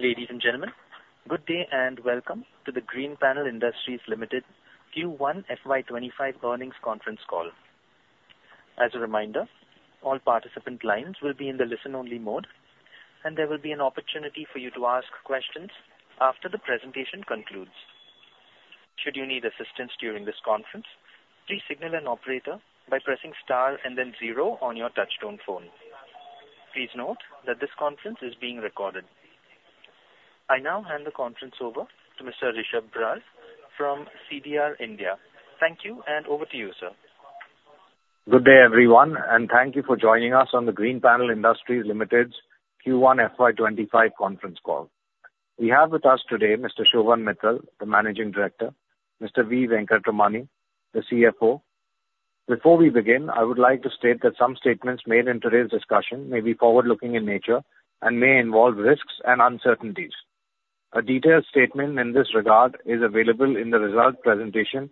Ladies and gentlemen, good day and welcome to the Greenpanel Industries Limited Q1 FY25 Earnings Conference Call. As a reminder, all participant lines will be in the listen-only mode, and there will be an opportunity for you to ask questions after the presentation concludes. Should you need assistance during this conference, please signal an operator by pressing star and then zero on your touch-tone phone. Please note that this conference is being recorded. I now hand the conference over to Mr. Rishab Barar from CDR India. Thank you, and over to you, sir. Good day, everyone and thank you for joining us on the Greenpanel Industries Limited's Q1 FY25 Conference Call. We have with us today Mr. Shobhan Mittal, the Managing Director. Mr. V. Venkatramani, the CFO. Before we begin, I would like to state that some statements made in today's discussion may be forward-looking in nature and may involve risks and uncertainties. A detailed statement in this regard is available in the results presentation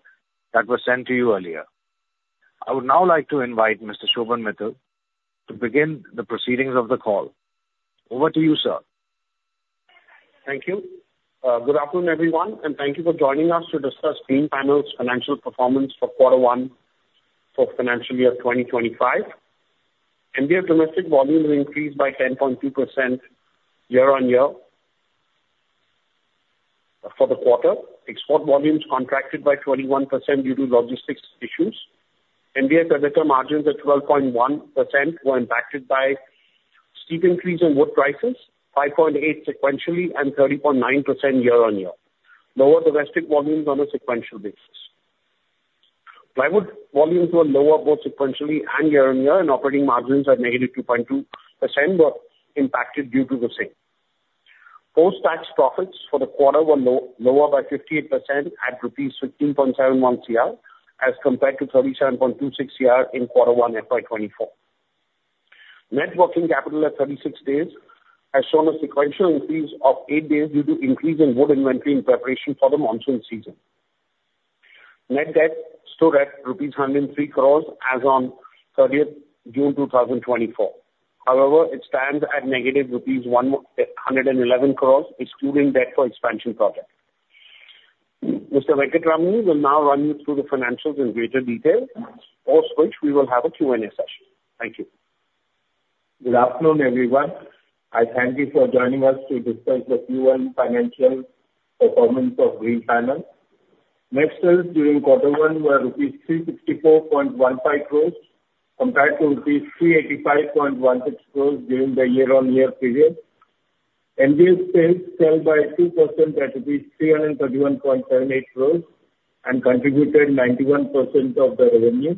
that was sent to you earlier. I would now like to invite Mr. Shobhan Mittal to begin the proceedings of the call. Over to you, sir. Thank you. Good afternoon, everyone and thank you for joining us to discuss Greenpanel's Financial Performance for Q1 for Financial Year 2025. India's domestic volumes increased by 10.2% year-on-year for the quarter. Export volumes contracted by 21% due to logistics issues. India's EBITDA margins at 12.1% were impacted by steep increase in wood prices, 5.8% sequentially and 30.9% year-on-year. Lower domestic volumes on a sequential basis. Plywood volumes were lower both sequentially and year-on-year, and operating margins at negative 2.2% were impacted due to the same. Post-tax profits for the quarter were lower by 58% at rupees 15.71 crore as compared to 37.26 crore in Q1 FY24. Net working capital at 36 days has shown a sequential increase of 8 days due to increase in wood inventory in preparation for the monsoon season. Net debt stood at rupees 103 crore as of 30 June 2024. However, it stands at negative rupees 111 crore excluding debt for expansion projects. Mr. Venkatramani will now run you through the financials in greater detail, after which we will have a Q&A session. Thank you. Good afternoon, everyone. I thank you for joining us to discuss the Q1 financial performance of Greenpanel. Net sales during Q1 were ₹364.15 crore compared to ₹385.16 crore during the year-on-year period. MDF sales fell by 2% at ₹331.78 crore and contributed 91% of the revenue.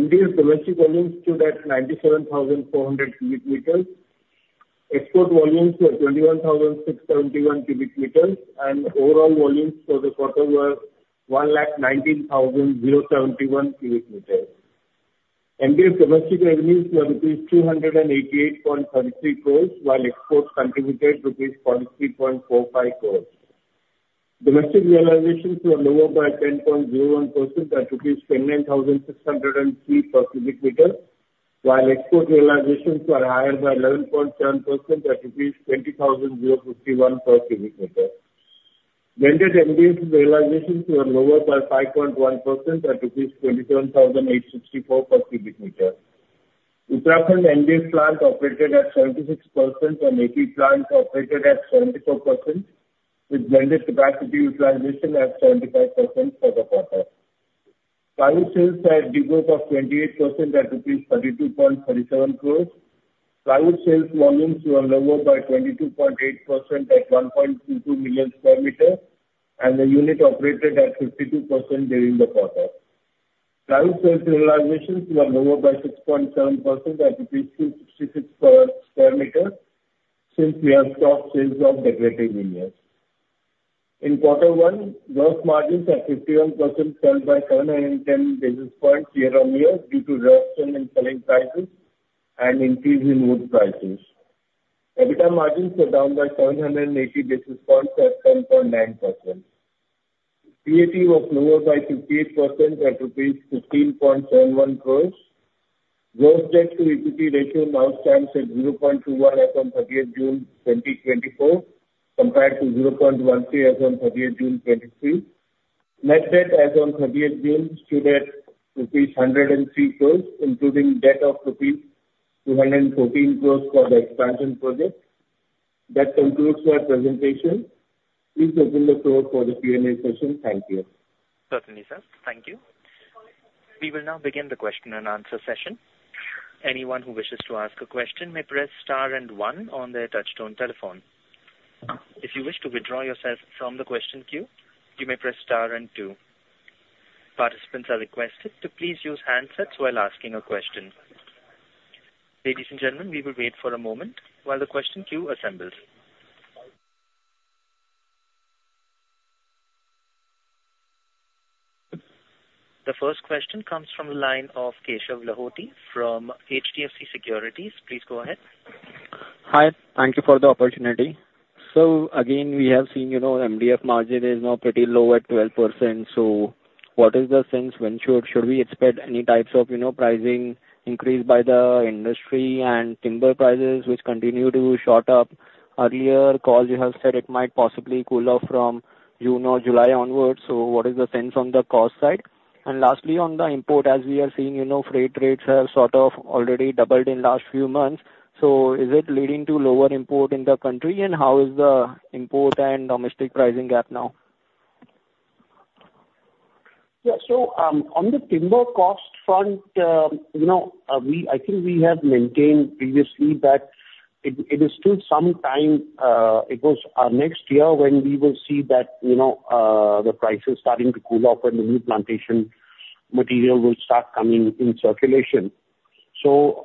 MDF domestic volumes stood at 97,400 cubic meters. Export volumes were 21,671 cubic meters, and overall volumes for the quarter were 119,071 cubic meters. MDF domestic revenues were ₹288.33 crores, while exports contributed ₹43.45 crore. Domestic realizations were lower by 10.01% at ₹29,603 per cubic meter, while export realizations were higher by 11.7% at ₹20,051 per cubic meter. Average MDF realizations were lower by 5.1% at ₹27,864 per cubic meter. Uttarakhand MDF plant operated at 76% and AP plant operated at 74%, with average capacity utilization at 75% for the quarter. Plywood sales had a degrowth of 28% at ₹32.37 crore. Plywood sales volumes were lower by 22.8% at 1.22 million square meter, and the unit operated at 52% during the quarter. Plywood sales realizations were lower by 6.7% at 266 per square meter since we have stopped sales of Decorative Veneers. In Q1, gross margins at 51% fell by 710 basis points year-on-year due to reduction in selling prices and increase in wood prices. EBITDA margins were down by 780 basis points at 10.9%. PAT was lower by 58% at rupees 15.71 crores. Gross debt to equity ratio now stands at 0.21 as of 30 June 2024, compared to 0.13 as of 30 June 2023. Net debt as of 30 June stood at rupees 103 crores, including debt of rupees 214 crores for the expansion project. That concludes my presentation. Please open the floor for the Q&A session. Thank you. Certainly, sir. Thank you. We will now begin the question and answer session. Anyone who wishes to ask a question may press star and one on their touch-tone telephone. If you wish to withdraw yourself from the question queue, you may press star and two. Participants are requested to please use handsets while asking a question. Ladies and gentlemen, we will wait for a moment while the question queue assembles. The first question comes from the line of Keshav Lahoti from HDFC Securities. Please go ahead. Hi. Thank you for the opportunity. So again, we have seen MDF margin is now pretty low at 12%. So what is the sense? Should we expect any types of pricing increase by the industry and timber prices, which continue to shoot up earlier? Because you have said it might possibly cool off from June or July onward. So what is the sense on the cost side? And lastly, on the import, as we are seeing, freight rates have sort of already doubled in the last few months. So is it leading to lower import in the country, and how is the import and domestic pricing gap now? Yeah. So on the timber cost front, I think we have maintained previously that it is still some time. It was next year when we will see that the prices starting to cool off when the new plantation material will start coming in circulation. So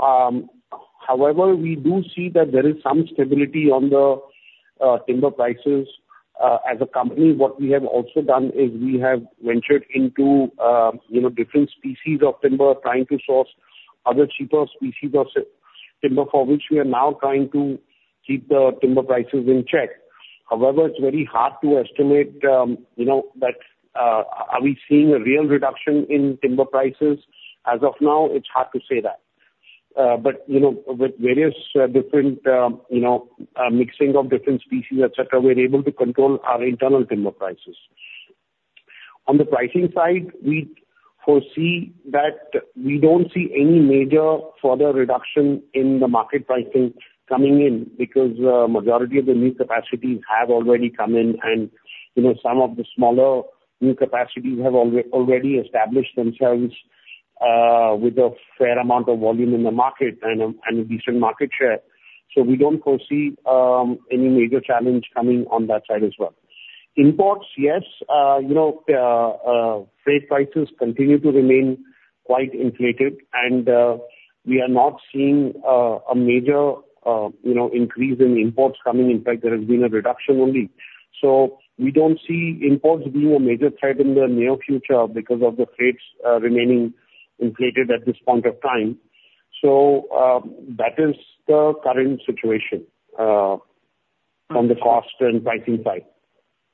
however, we do see that there is some stability on the timber prices. As a company, what we have also done is we have ventured into different species of timber, trying to source other cheaper species of timber, for which we are now trying to keep the timber prices in check. However, it's very hard to estimate that are we seeing a real reduction in timber prices. As of now, it's hard to say that. But with various different mixing of different species, et cetera. we're able to control our internal timber prices. On the pricing side, we foresee that we don't see any major further reduction in the market pricing coming in because the majority of the new capacities have already come in, and some of the smaller new capacities have already established themselves with a fair amount of volume in the market and a decent market share. So we don't foresee any major challenge coming on that side as well. Imports, yes. Freight prices continue to remain quite inflated, and we are not seeing a major increase in imports coming. In fact, there has been a reduction only. So we don't see imports being a major threat in the near future because of the freight remaining inflated at this point of time. So that is the current situation on the cost and pricing side.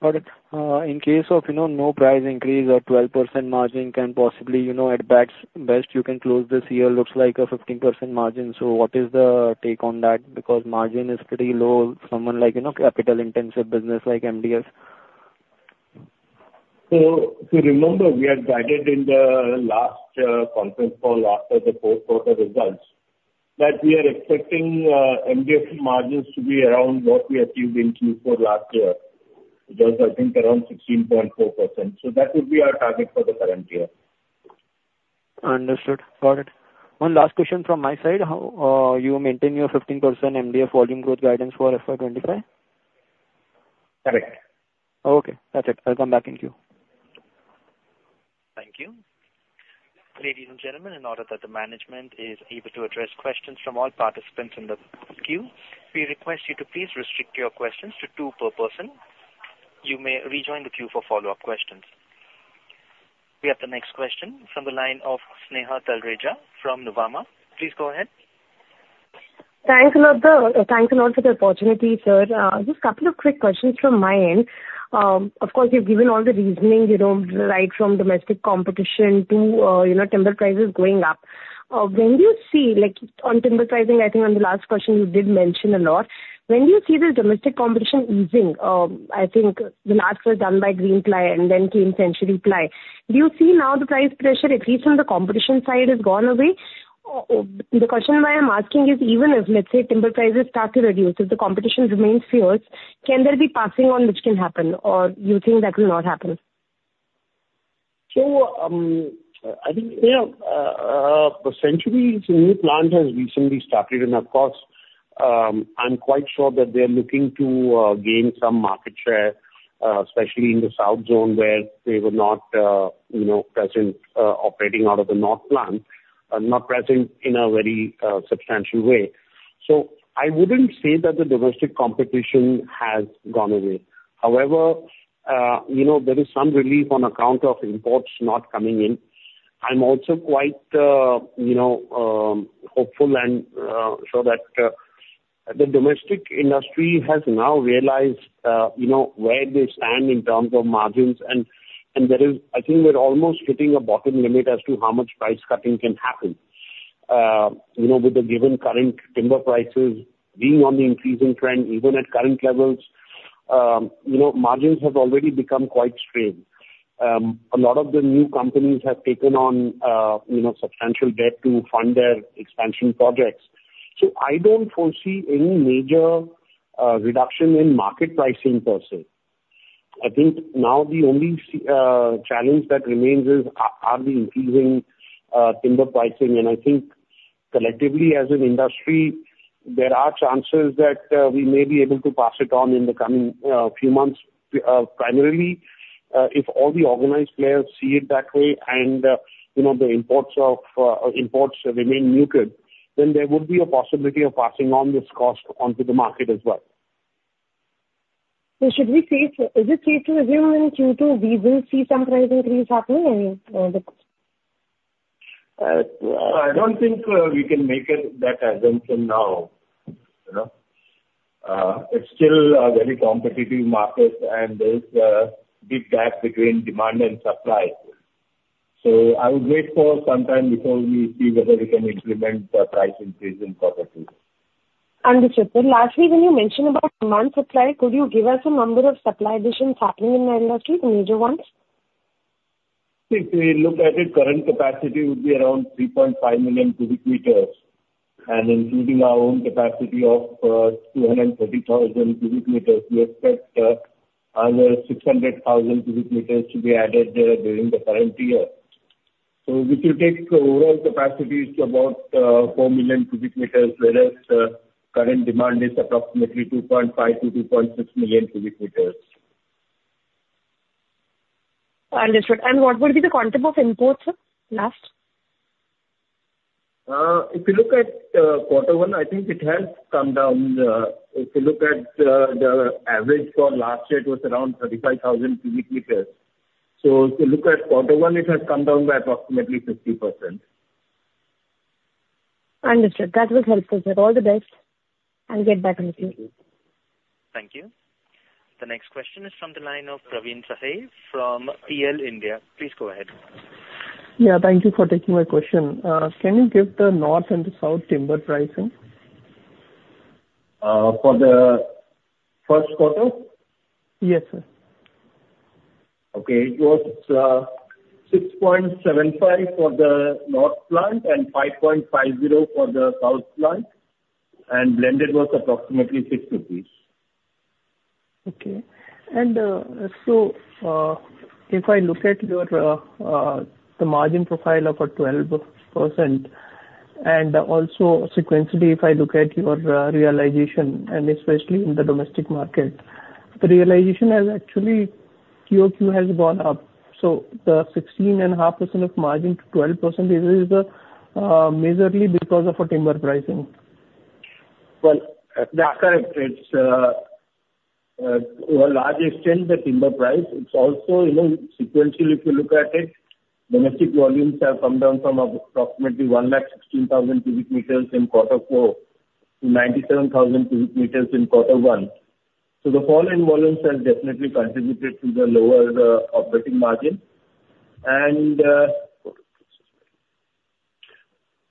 Got it. In case of no price increase or 12% margin, can possibly at best you can close this year, looks like a 15% margin. So what is the take on that? Because margin is pretty low, someone like capital-intensive business like MDF. So remember, we had guided in the last conference call after the Q4 results that we are expecting MDF margins to be around what we achieved in Q4 last year, which was, I think, around 16.4%. So that would be our target for the current year. Understood. Got it. One last question from my side. You maintain your 15% MDF volume growth guidance for FY25? Correct. Okay. That's it. I'll come back in queue. Thank you. Ladies and gentlemen, in order that the management is able to address questions from all participants in the queue, we request you to please restrict your questions to two per person. You may rejoin the queue for follow-up questions. We have the next question from the line of Sneha Talreja from Nuvama. Please go ahead. Thanks a lot. Thanks a lot for the opportunity, sir. Just a couple of quick questions from my end. Of course, you've given all the reasoning right from domestic competition to timber prices going up. When do you see on timber pricing? I think on the last question you did mention a lot. When do you see the domestic competition easing? I think the last was done by Greenlam and then came CenturyPly. Do you see now the price pressure, at least on the competition side, has gone away? The question why I'm asking is even if, let's say, timber prices start to reduce, if the competition remains fierce, can there be passing on which can happen, or do you think that will not happen? So I think Century's new plant has recently started, and of course, I'm quite sure that they're looking to gain some market share, especially in the South Zone where they were not present operating out of the North plant, not present in a very substantial way. So I wouldn't say that the domestic competition has gone away. However, there is some relief on account of imports not coming in. I'm also quite hopeful and sure that the domestic industry has now realized where they stand in terms of margins, and I think we're almost hitting a bottom limit as to how much price cutting can happen. With the given current timber prices being on the increasing trend, even at current levels, margins have already become quite strained. A lot of the new companies have taken on substantial debt to fund their expansion projects. So I don't foresee any major reduction in market pricing per se. I think now the only challenge that remains is the increasing timber pricing, and I think collectively as an industry, there are chances that we may be able to pass it on in the coming few months, primarily if all the organized players see it that way and the imports remain muted, then there would be a possibility of passing on this cost onto the market as well. So should we say, is it safe to assume in Q2 we will see some price increase happening? I don't think we can make that assumption now. It's still a very competitive market, and there is a big gap between demand and supply. So I would wait for some time before we see whether we can implement the price increase in properties. Understood. So lastly, when you mentioned about demand supply, could you give us a number of supply additions happening in the industry, the major ones? If we look at it, current capacity would be around 3.5 million cubic meters, and including our own capacity of 230,000 cubic meters, we expect another 600,000 cubic meters to be added during the current year, so this will take overall capacity to about 4 million cubic meters, whereas the current demand is approximately 2.5-2.6 million cubic meters. Understood, and what would be the quantum of imports last? If you look at Q1, I think it has come down. If you look at the average for last year, it was around 35,000 cubic meters. So if you look at Q1, it has come down by approximately 50%. Understood. That was helpful. So all the best, and get back on the queue. Thank you. The next question is from the line of Praveen Sahay from PL India. Please go ahead. Yeah. Thank you for taking my question. Can you give the north and the south timber pricing? For the Q1? Yes, sir. Okay. It was 6.75 for the north plant and 5.50 for the south plant, and blended was approximately 6 rupees. Okay. And so if I look at the margin profile of 12%, and also sequentially, if I look at your realization, and especially in the domestic market, the realization has actually Q2 has gone up. So the 16.5% of margin to 12% is majorly because of timber pricing. That's correct. It's to a large extent the timber price. It's also sequentially, if you look at it, domestic volumes have come down from approximately 116,000 cubic meters in Q4-97,000 cubic meters in Q1. So the fall in volumes has definitely contributed to the lower operating margin and there have been responses.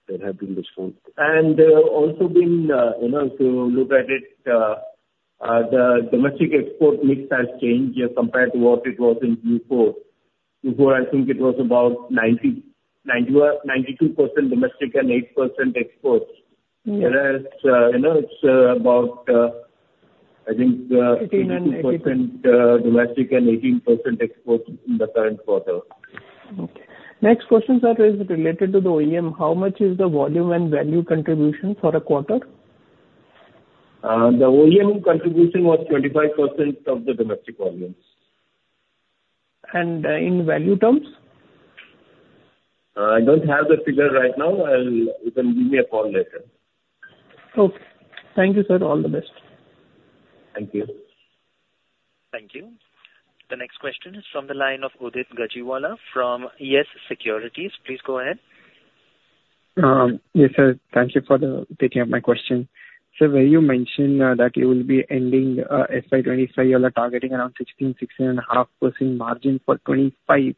And also if you look at it, the domestic export mix has changed compared to what it was in Q4. Q4, I think it was about 92% domestic and 8% exports. Whereas it's about, I think, 18% domestic and 18% exports in the current quarter. Okay. Next questions are related to the OEM. How much is the volume and value contribution for a quarter? The OEM contribution was 25% of the domestic volumes. In value terms? I don't have the figure right now. You can give me a call later. Okay. Thank you, sir. All the best. Thank you. Thank you. The next question is from the line of Udit Gajiwala from YES Securities. Please go ahead. Yes, sir. Thank you for taking up my question. So you mentioned that you will be ending FY25, you're targeting around 16%-16.5% margin for '25.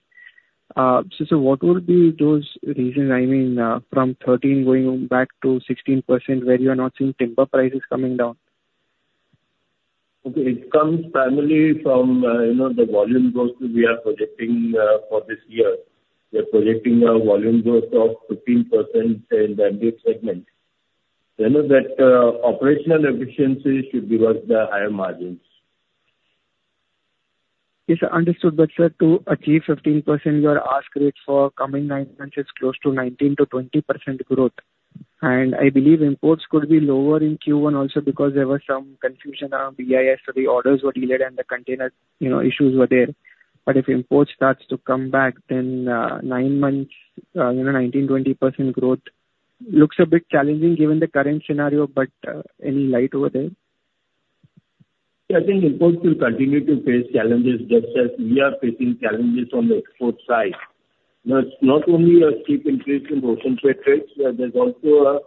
So what would be those reasons, I mean, from 13% going back to 16%, where you are not seeing timber prices coming down? Okay. It comes primarily from the volume growth we are projecting for this year. We are projecting a volume growth of 15% in the MDF segment. Then that operational efficiency should give us the higher margins. Yes, sir. Understood. But sir, to achieve 15%, your ask rate for coming nine months is close to 19%-20% growth. And I believe imports could be lower in Q1 also because there was some confusion around BIS, so the orders were delayed and the container issues were there. But if imports start to come back, then 9 months, 19%-20% growth looks a bit challenging given the current scenario, but any light over there? Yeah. I think imports will continue to face challenges just as we are facing challenges on the export side. There's not only a steep increase in ocean trade rates, there's also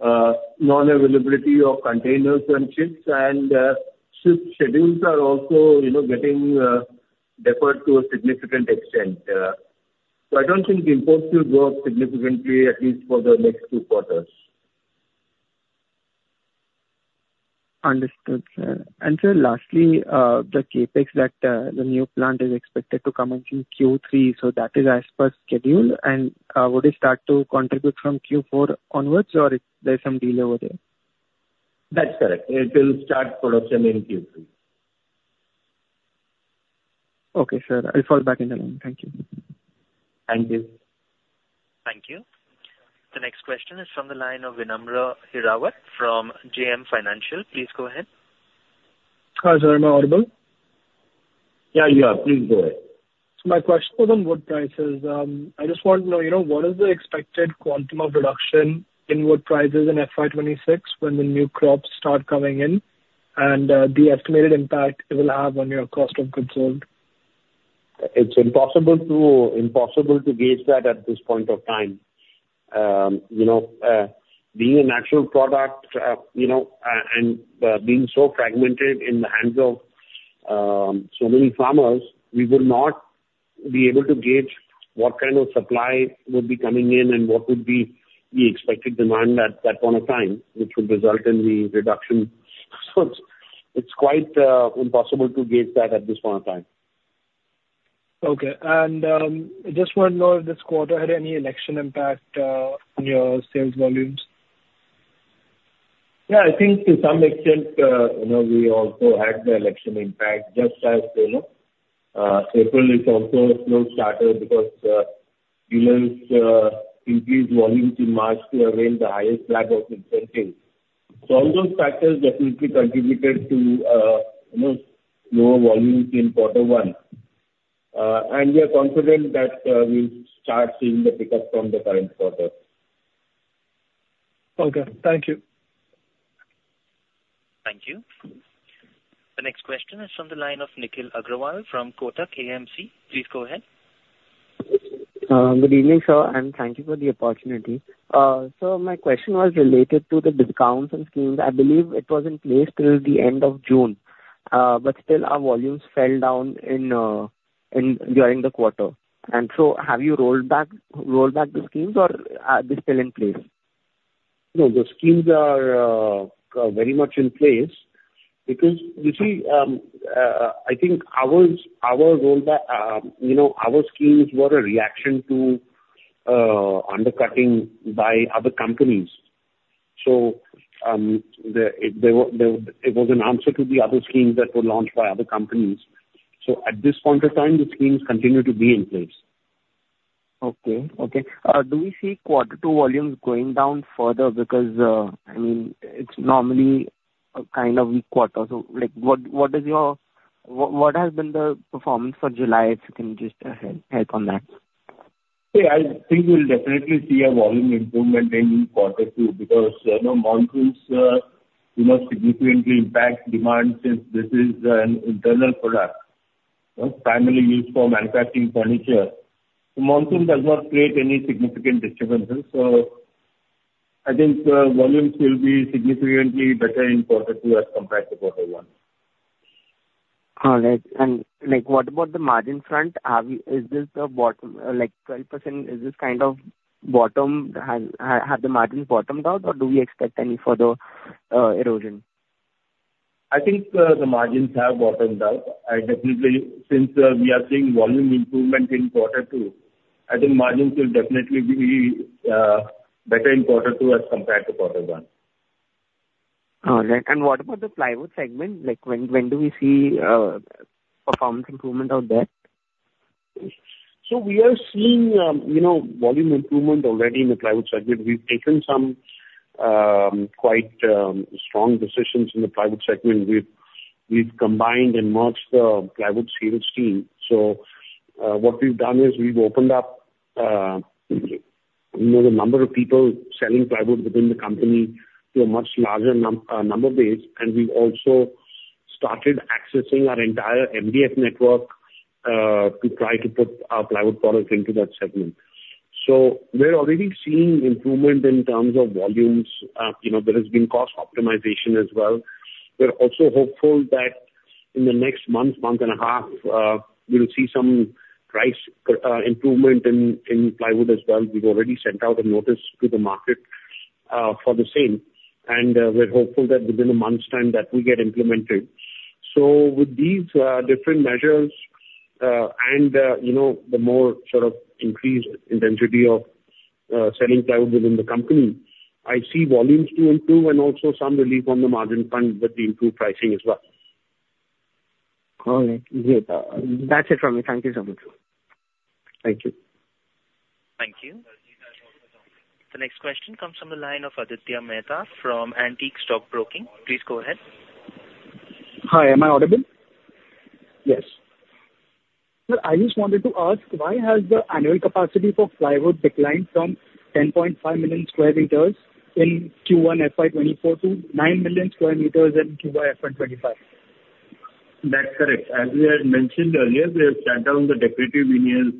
a non-availability of containers and ships, and ship schedules are also getting deferred to a significant extent. So I don't think imports will grow significantly, at least for the next 2 quarters. Understood, sir. And sir, lastly, the CapEx that the new plant is expected to come into Q3, so that is as per schedule. And would it start to contribute from Q4 onwards, or is there some delay over there? That's correct. It will start production in Q3. Okay, sir. I'll fall back in the line. Thank you. Thank you. Thank you. The next question is from the line of Vinamra Hirawat from JM Financial. Please go ahead. Hi, sir. Am I audible? Yeah, you are. Please go ahead. My question was on wood prices. I just want to know, what is the expected quantum of reduction in wood prices in FY26 when the new crops start coming in, and the estimated impact it will have on your cost of goods sold? It's impossible to gauge that at this point of time. Being a natural product and being so fragmented in the hands of so many farmers, we will not be able to gauge what kind of supply would be coming in and what would be the expected demand at that point of time, which would result in the reduction. So it's quite impossible to gauge that at this point of time. Okay and I just want to know if this quarter had any election impact on your sales volumes? Yeah. I think to some extent, we also had the election impact, just as April is also a slow starter because dealers increased volumes in March to avail the highest flag of incentives. So all those factors definitely contributed to lower volumes in Q1, and we are confident that we'll start seeing the pickup from the current quarter. Okay. Thank you. Thank you. The next question is from the line of Nikhil Agrawal from Kotak AMC. Please go ahead. Good evening, sir, and thank you for the opportunity. So my question was related to the discounts and schemes. I believe it was in place till the end of June, but still our volumes fell down during the quarter. And so have you rolled back the schemes, or are they still in place? No, the schemes are very much in place because you see, I think our rollback, our schemes were a reaction to undercutting by other companies. So it was an answer to the other schemes that were launched by other companies. So at this point of time, the schemes continue to be in place. Okay. Do we see Q2 volumes going down further because, I mean, it's normally a kind of weak quarter? So what has been the performance for July? If you can just help on that. Yeah. I think we'll definitely see a volume improvement in Q2 because monsoons significantly impact demand since this is an interior product, primarily used for manufacturing furniture. The monsoon does not create any significant disturbances. So I think volumes will be significantly better in Q2 as compared to Q1. All right. And what about the margin front? Is this the bottom 12%? Is this kind of bottom? Have the margins bottomed out, or do we expect any further erosion? I think the margins have bottomed out. Since we are seeing volume improvement in Q2, I think margins will definitely be better in Q2 as compared to Q1. All right. And what about the plywood segment? When do we see performance improvement on that? So we are seeing volume improvement already in the plywood segment. We've taken some quite strong decisions in the plywood segment. We've combined and merged the plywood sales team. So what we've done is we've opened up the number of people selling plywood within the company to a much larger number base, and we've also started accessing our entire MDF network to try to put our plywood product into that segment. So we're already seeing improvement in terms of volumes. There has been cost optimization as well. We're also hopeful that in the next month, month and a half, we'll see some price improvement in plywood as well. We've already sent out a notice to the market for the same, and we're hopeful that within a month's time that we get implemented. With these different measures and the more sort of increased intensity of selling plywood within the company, I see volumes to improve and also some relief on the margin front with the improved pricing as well. All right. Great. That's it from me. Thank you so much. Thank you. Thank you. The next question comes from the line of Aditya Mehta from Antique Stock Broking. Please go ahead. Hi. Am I audible? Yes. Sir, I just wanted to ask, why has the annual capacity for plywood declined from 10.5 million square meters in Q1 FY24-9 million square meters in Q1 FY25? That's correct. As we had mentioned earlier, we have shut down the Decorative Veneers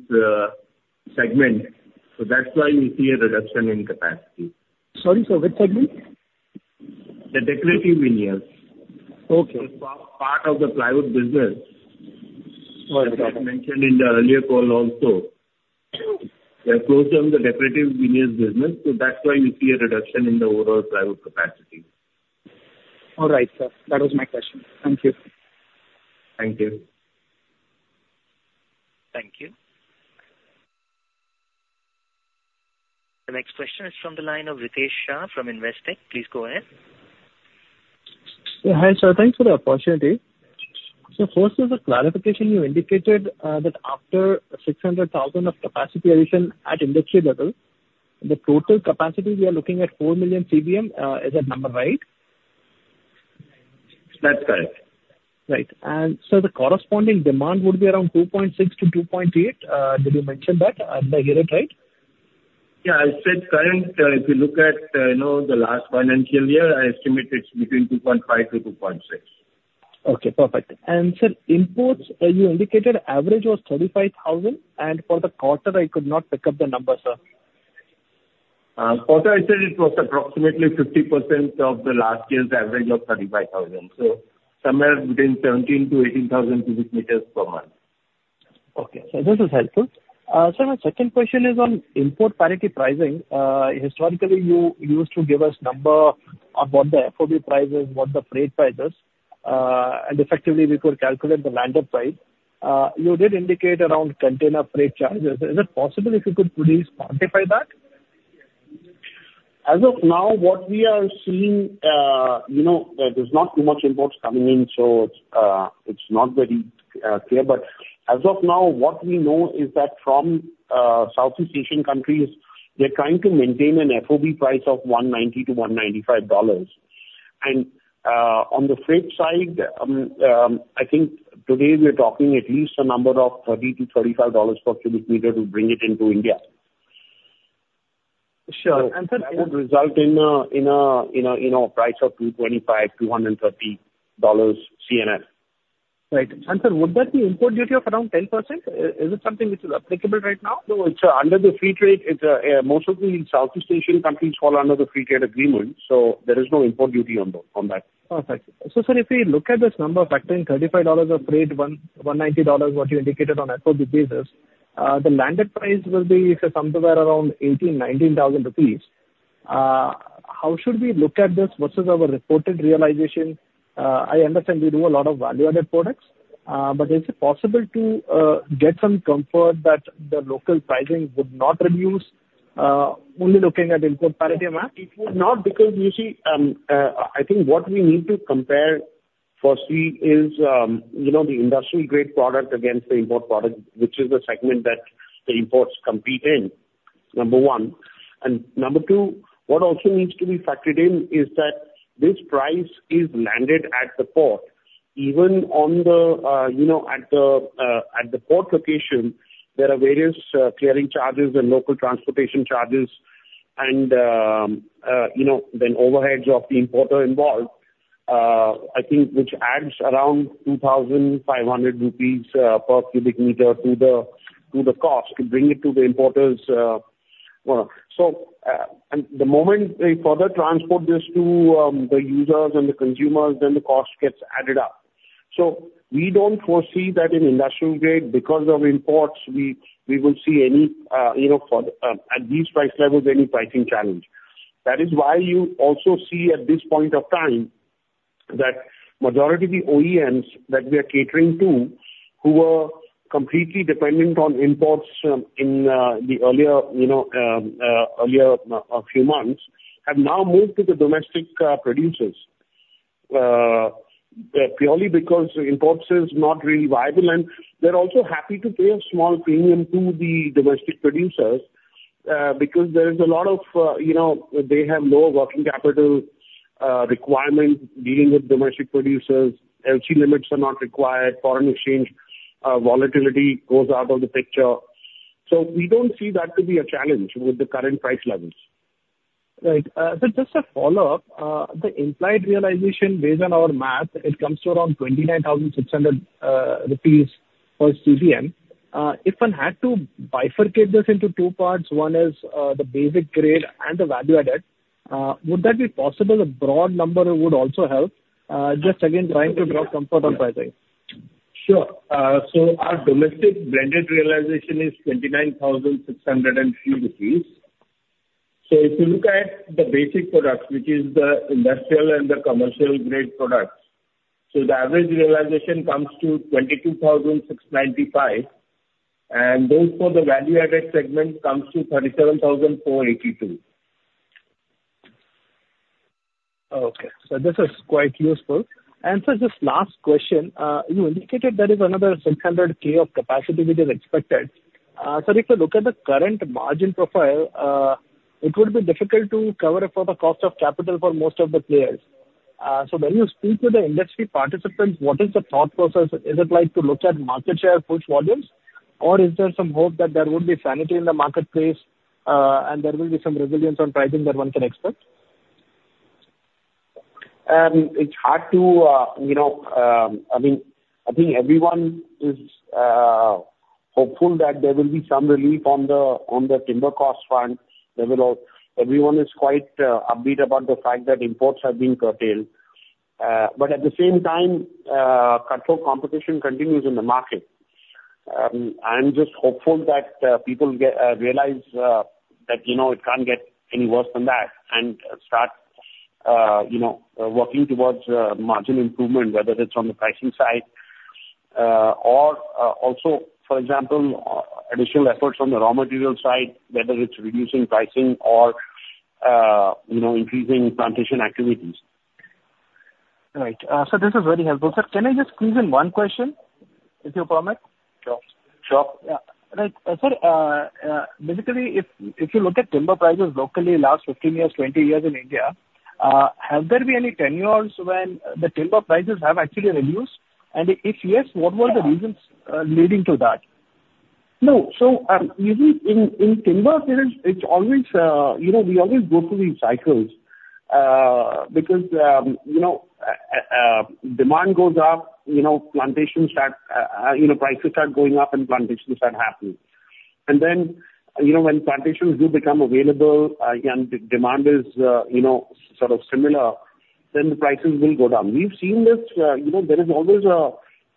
segment. So that's why we see a reduction in capacity. Sorry, sir. Which segment? The Decorative Veneers. Okay. It's part of the plywood business. All right. As I mentioned in the earlier call also, we have closed down the Decorative Veneers business. So that's why we see a reduction in the overall Plywood capacity. All right, sir. That was my question. Thank you. Thank you. Thank you. The next question is from the line of Ritesh Shah from Investec. Please go ahead. Yeah. Hi, sir. Thanks for the opportunity. So first, as a clarification, you indicated that after 600,000 of capacity addition at industry level, the total capacity we are looking at 4 million CBM is a number, right? That's correct. Right. And sir, the corresponding demand would be around 2.6 -2.8. Did you mention that? Did I hear it right? Yeah. I said current, if you look at the last financial year, I estimate it's between 2.5-2.6. Okay. Perfect. And sir, imports, you indicated average was 35,000, and for the quarter, I could not pick up the number, sir? Quarter, I said it was approximately 50% of the last year's average of 35,000. So somewhere between 17,000-18,000 cubic meters per month. Okay. So this is helpful. Sir, my second question is on import parity pricing. Historically, you used to give us a number of what the FOB price is, what the freight price is, and effectively, we could calculate the landed price. You did indicate around container freight charges. Is it possible if you could please quantify that? As of now, what we are seeing, there's not too much imports coming in, so it's not very clear. But as of now, what we know is that from Southeast Asian countries, they're trying to maintain an FOB price of $190-$195. And on the freight side, I think today we're talking at least a number of $30-$35 per cubic meter to bring it into India. That would result in a price of $225-$230 C&F. Right. And sir, would that be import duty of around 10%? Is it something which is applicable right now? No, it's under the free trade. Most of the Southeast Asian countries fall under the free trade agreement, so there is no import duty on that. Perfect. So sir, if we look at this number factoring $35 of freight, $190, what you indicated on FOB basis, the landed price will be somewhere around 18,000-19,000 rupees. How should we look at this versus our reported realization? I understand we do a lot of value-added products, but is it possible to get some comfort that the local pricing would not reduce only looking at import parity map? It would not because you see, I think what we need to compare firstly is the industrial-grade product against the import product, which is the segment that the imports compete in, number 1, and number 2, what also needs to be factored in is that this price is landed at the port. Even at the port location, there are various clearing charges and local transportation charges, and then overheads of the importer involved, I think, which adds around 2,500 rupees per cubic meter to the cost to bring it to the importers. So the moment we further transport this to the users and the consumers, then the cost gets added up. So we don't foresee that in industrial grade because of imports, we will see any at these price levels, any pricing challenge. That is why you also see at this point of time that majority of the OEMs that we are catering to, who were completely dependent on imports in the earlier few months, have now moved to the domestic producers purely because imports are not really viable, and they're also happy to pay a small premium to the domestic producers because there is a lot of, they have lower working capital requirements dealing with domestic producers. LC limits are not required. Foreign exchange volatility goes out of the picture, so we don't see that to be a challenge with the current price levels. Right. So just to follow up, the implied realization based on our math, it comes to around 29,600 rupees per CBM. If one had to bifurcate this into 2 parts, one is the basic grade and the value-added, would that be possible? A broad number would also help. Just again, trying to draw comfort on pricing. Sure. So our domestic blended realization is 29,603 rupees. So if you look at the basic products, which is the industrial and the commercial-grade products, so the average realization comes to 22,695, and those for the value-added segment comes to 37,482. Okay. So this is quite useful, and sir, just last question. You indicated there is another 600K of capacity which is expected. Sir, if you look at the current margin profile, it would be difficult to cover for the cost of capital for most of the players, so when you speak with the industry participants, what is the thought process? Is it like to look at market share push volumes, or is there some hope that there would be sanity in the marketplace and there will be some resilience on pricing that one can expect? It's hard to, I mean, I think everyone is hopeful that there will be some relief on the timber cost front. Everyone is quite upbeat about the fact that imports have been curtailed. But at the same time, cutthroat competition continues in the market. I'm just hopeful that people realize that it can't get any worse than that and start working towards margin improvement, whether it's on the pricing side or also, for example, additional efforts on the raw material side, whether it's reducing pricing or increasing plantation activities. Right. So this is very helpful. Sir, can I just squeeze in one question, if you permit? Sure. Sure. Right. Sir, basically, if you look at timber prices locally last 15 years, 20 years in India, have there been any tenures when the timber prices have actually reduced? And if yes, what were the reasons leading to that? No. So you see, in timber, it's always we always go through these cycles because demand goes up, plantations start, prices start going up, and plantations start happening. And then when plantations do become available and demand is sort of similar, then the prices will go down. We've seen this. There is always a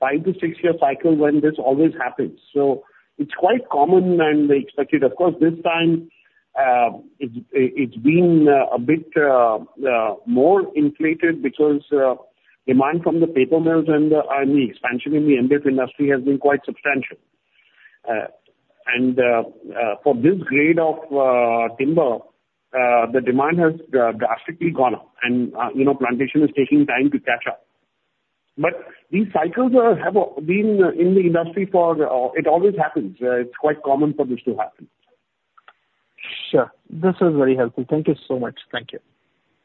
5-6-year cycle when this always happens. So it's quite common and expected. Of course, this time, it's been a bit more inflated because demand from the paper mills and the expansion in the MDF industry has been quite substantial. And for this grade of timber, the demand has drastically gone up, and plantation is taking time to catch up. But these cycles have been in the industry, for it always happens. It's quite common for this to happen. Sure. This is very helpful. Thank you so much. Thank you.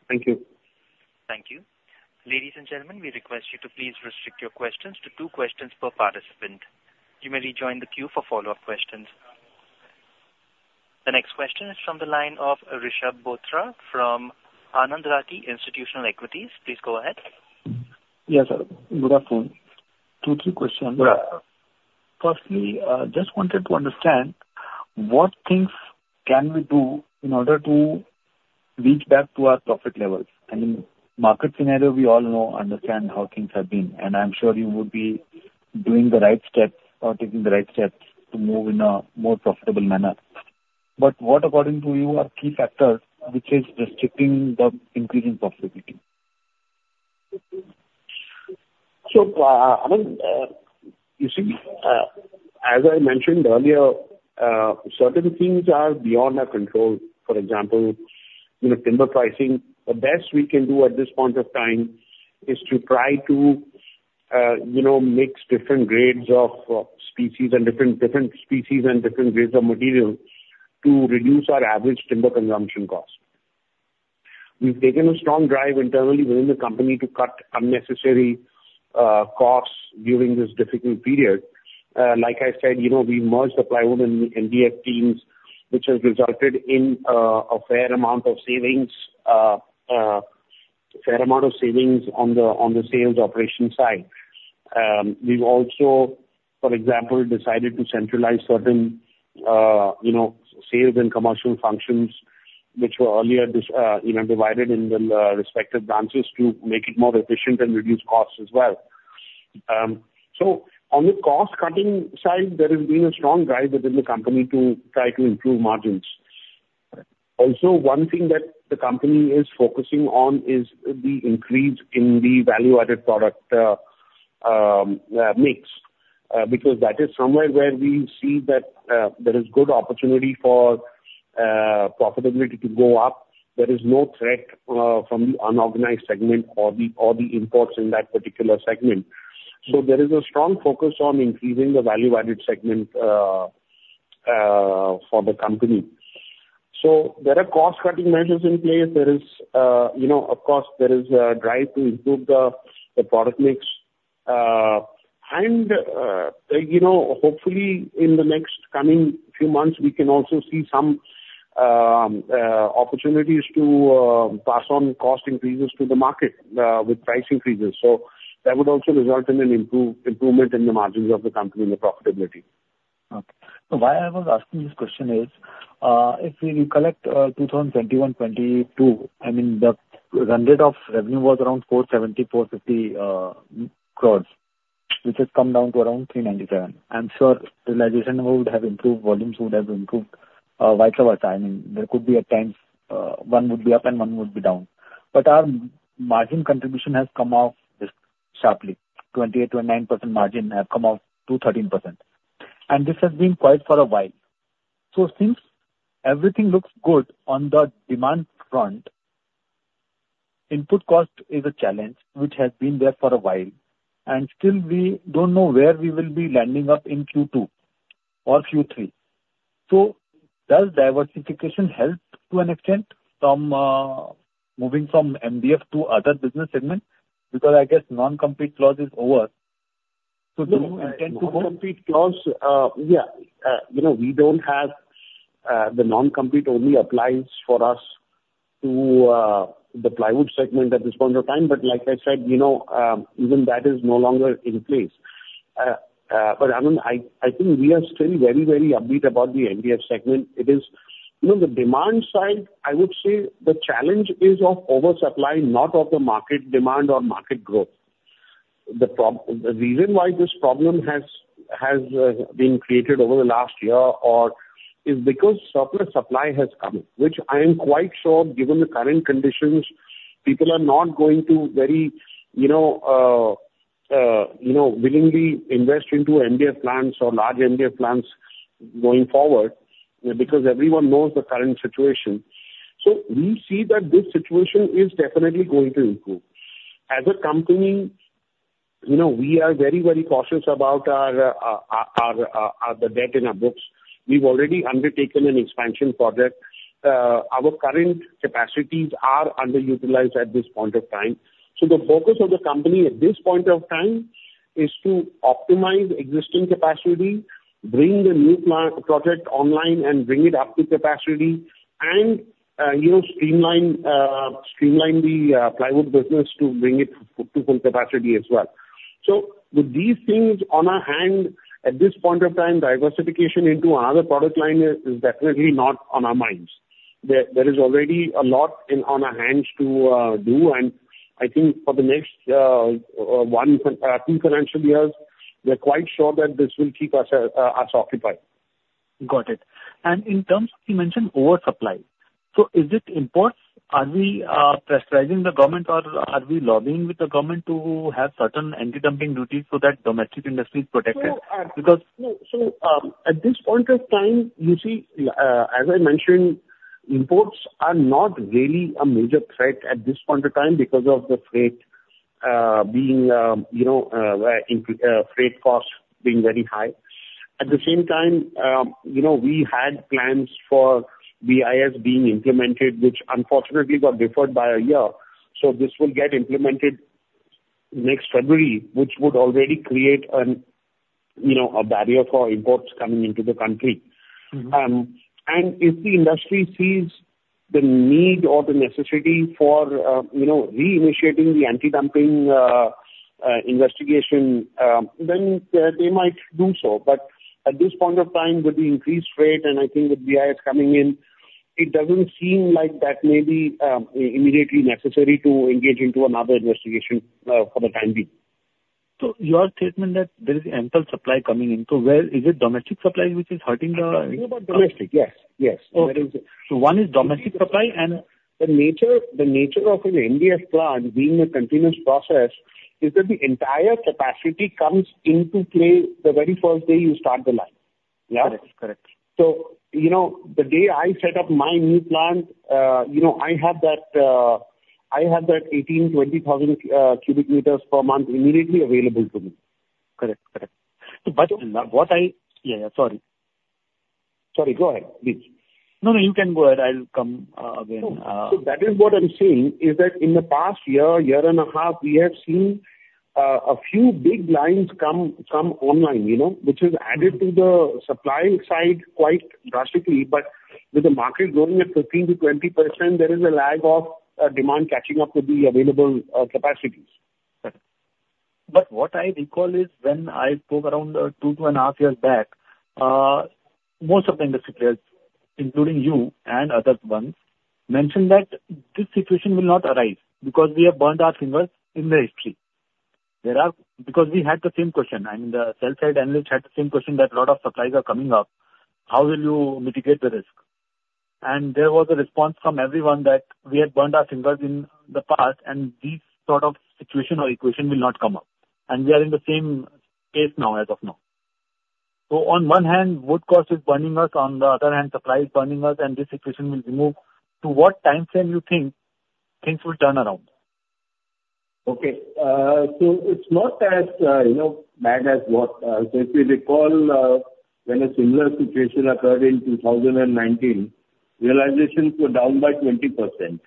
Thank you. Thank you. Ladies and gentlemen, we request you to please restrict your questions to two questions per participant. You may rejoin the queue for follow-up questions. The next question is from the line of Rishab Bothra from Anand Rathi Institutional Equities. Please go ahead. Yes, sir. Good afternoon. 2 or 3 questions. Firstly, I just wanted to understand what things can we do in order to reach back to our profit levels? I mean, market scenario, we all know, understand how things have been, and I'm sure you would be doing the right steps or taking the right steps to move in a more profitable manner, but what, according to you, are key factors which are restricting the increase in profitability? So, I mean, you see, as I mentioned earlier, certain things are beyond our control. For example, timber pricing. The best we can do at this point of time is to try to mix different grades of species and different species and different grades of material to reduce our average timber consumption cost. We've taken a strong drive internally within the company to cut unnecessary costs during this difficult period. Like I said, we merged the plywood and the MDF teams, which has resulted in a fair amount of savings, a fair amount of savings on the sales operation side. We've also, for example, decided to centralize certain sales and commercial functions which were earlier divided in the respective branches to make it more efficient and reduce costs as well. So on the cost-cutting side, there has been a strong drive within the company to try to improve margins. Also, one thing that the company is focusing on is the increase in the value-added product mix because that is somewhere where we see that there is good opportunity for profitability to go up. There is no threat from the unorganized segment or the imports in that particular segment. So there is a strong focus on increasing the value-added segment for the company. So there are cost-cutting measures in place. There is, of course, a drive to improve the product mix. And hopefully, in the next coming few months, we can also see some opportunities to pass on cost increases to the market with price increases. So that would also result in an improvement in the margins of the company and the profitability. Okay. So why I was asking this question is if we recollect 2021-22, I mean, the run rate of revenue was around 450-470 crore, which has come down to around 397 crore. I'm sure realization would have improved, volumes would have improved quite a lot. I mean, there could be at times one would be up and one would be down but our margin contribution has come off sharply. 28-29% margin has come off to 13%. And this has been quite for a while. So since everything looks good on the demand front, input cost is a challenge which has been there for a while. And still, we don't know where we will be landing up in Q2 or Q3. So does diversification help to an extent from moving from MDF to other business segment? Because I guess non-compete clause is over. So do you intend to go? Non-compete clause, yeah. We don't have the non-compete only applies for us to the plywood segment at this point of time, but like I said, even that is no longer in place, but I mean, I think we are still very, very upbeat about the MDF segment. It is the demand side, I would say the challenge is of oversupply, not of the market demand or market growth. The reason why this problem has been created over the last year is because surplus supply has come, which I am quite sure given the current conditions, people are not going to very willingly invest into MDF plants or large MDF plants going forward because everyone knows the current situation, so we see that this situation is definitely going to improve. As a company, we are very, very cautious about the debt in our books. We've already undertaken an expansion project. Our current capacities are underutilized at this point of time. So the focus of the company at this point of time is to optimize existing capacity, bring the new project online, and bring it up to capacity, and streamline the plywood business to bring it to full capacity as well. So with these things on our hands at this point of time, diversification into another product line is definitely not on our minds. There is already a lot on our hands to do. And I think for the next 2 financial years, we're quite sure that this will keep us occupied. Got it and in terms of, you mentioned oversupply. So is it imports? Are we pressurizing the government, or are we lobbying with the government to have certain anti-dumping duties so that domestic industry is protected? Because. So at this point of time, you see, as I mentioned, imports are not really a major threat at this point of time because of the freight costs being very high. At the same time, we had plans for BIS being implemented, which unfortunately got deferred by a year. So this will get implemented next February, which would already create a barrier for imports coming into the country. And if the industry sees the need or the necessity for reinitiating the anti-dumping investigation, then they might do so. But at this point of time, with the increased rate and I think with BIS coming in, it doesn't seem like that may be immediately necessary to engage into another investigation for the time being. So your statement that there is ample supply coming in, so where is it domestic supply which is hurting the? It's about domestic, yes. Yes. So one is domestic supply, and the nature of an MDF plant being a continuous process is that the entire capacity comes into play the very first day you start the line. Yeah? Correct. Correct. So the day I set up my new plant, I have that 18-20 thousand cubic meters per month immediately available to me. Correct. Correct. Sorry. Go ahead, please. No, no. You can go ahead. I'll come again. So that is what I'm saying is that in the past year, year and a half, we have seen a few big lines come online, which has added to the supply side quite drastically. But with the market growing at 15%-20%, there is a lag of demand catching up with the available capacities. What I recall is when I spoke around 2 and a half years back, most of the industry players, including you and others, once mentioned that this situation will not arise because we have burned our fingers in history. Because we had the same question. I mean, the sell-side analyst had the same question that a lot of supply is coming up. How will you mitigate the risk? And there was a response from everyone that we had burned our fingers in the past, and this sort of situation or equation will not come up. And we are in the same case now as of now. So on one hand, wood cost is burning us. On the other hand, supply is burning us, and this situation will improve. To what timeframe do you think things will turn around? Okay. So it's not as bad as what. So if you recall when a similar situation occurred in 2019, realizations were down by 20%.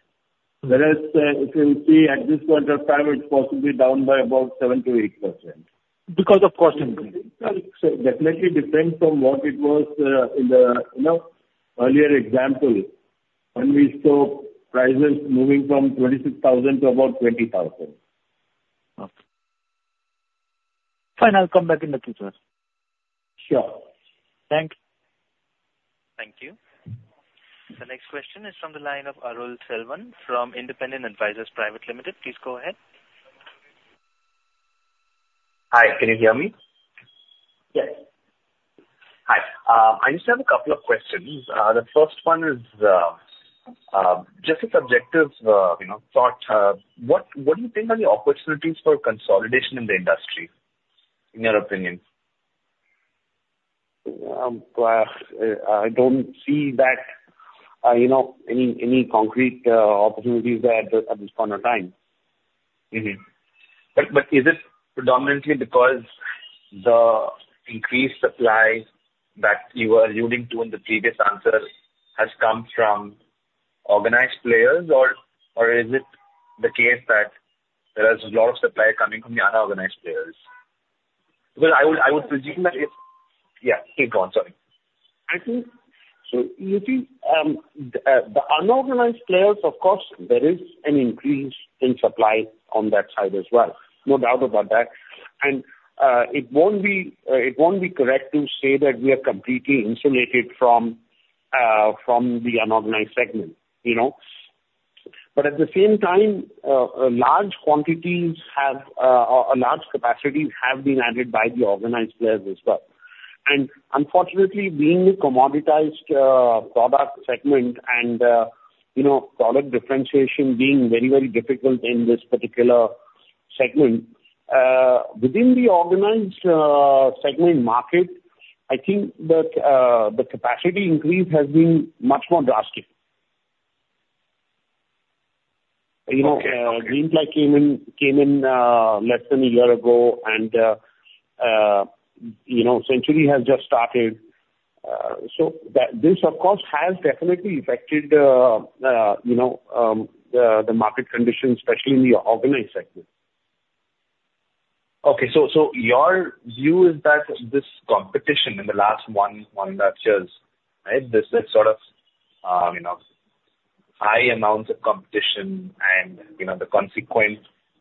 Whereas if you see at this point of time, it's possibly down by about 7%-8% because of cost increase, definitely different from what it was in the earlier example when we saw prices moving from 26,000 to about 20,000. Okay. Fine. I'll come back in a few, sir. Sure. Thank you. Thank you. The next question is from the line of Arul Selvan from Independent Advisors Private Limited. Please go ahead. Hi. Can you hear me? Yes. Hi. I just have a couple of questions. The first one is just a subjective thought. What do you think are the opportunities for consolidation in the industry, in your opinion? I don't see that any concrete opportunities there at this point of time. But is it predominantly because the increased supply that you were alluding to in the previous answer has come from organized players, or is it the case that there is a lot of supply coming from the unorganized players? Because I would presume that if. I think so you see, the unorganized players, of course, there is an increase in supply on that side as well. No doubt about that. And it won't be correct to say that we are completely insulated from the unorganized segment. But at the same time, large quantities have or large capacities have been added by the organized players as well. And unfortunately, being a commoditized product segment and product differentiation being very, very difficult in this particular segment, within the organized segment market, I think that the capacity increase has been much more drastic. Greenply came in less than a year ago, and Century has just started. So this, of course, has definitely affected the market conditions, especially in the organized segment. Okay. So your view is that this competition in the last 1-2 years, right, this sort of high amounts of competition and the consequent